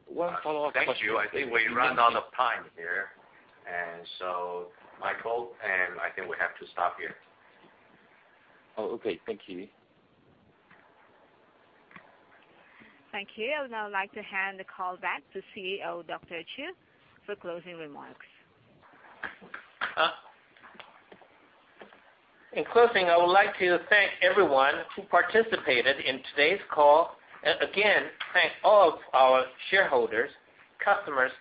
One follow-up question? Thank you. I think we've run out of time here. Michael, I think we have to stop here. Okay. Thank you. Thank you. I would now like to hand the call back to CEO, Dr. Chiu, for closing remarks. In closing, I would like to thank everyone who participated in today's call. Again, thank all of our shareholders, customers,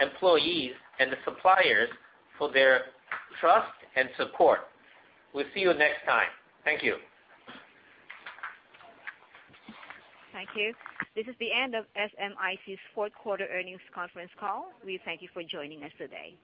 employees, and the suppliers for their trust and support. We'll see you next time. Thank you. Thank you. This is the end of SMIC's fourth quarter earnings conference call. We thank you for joining us today.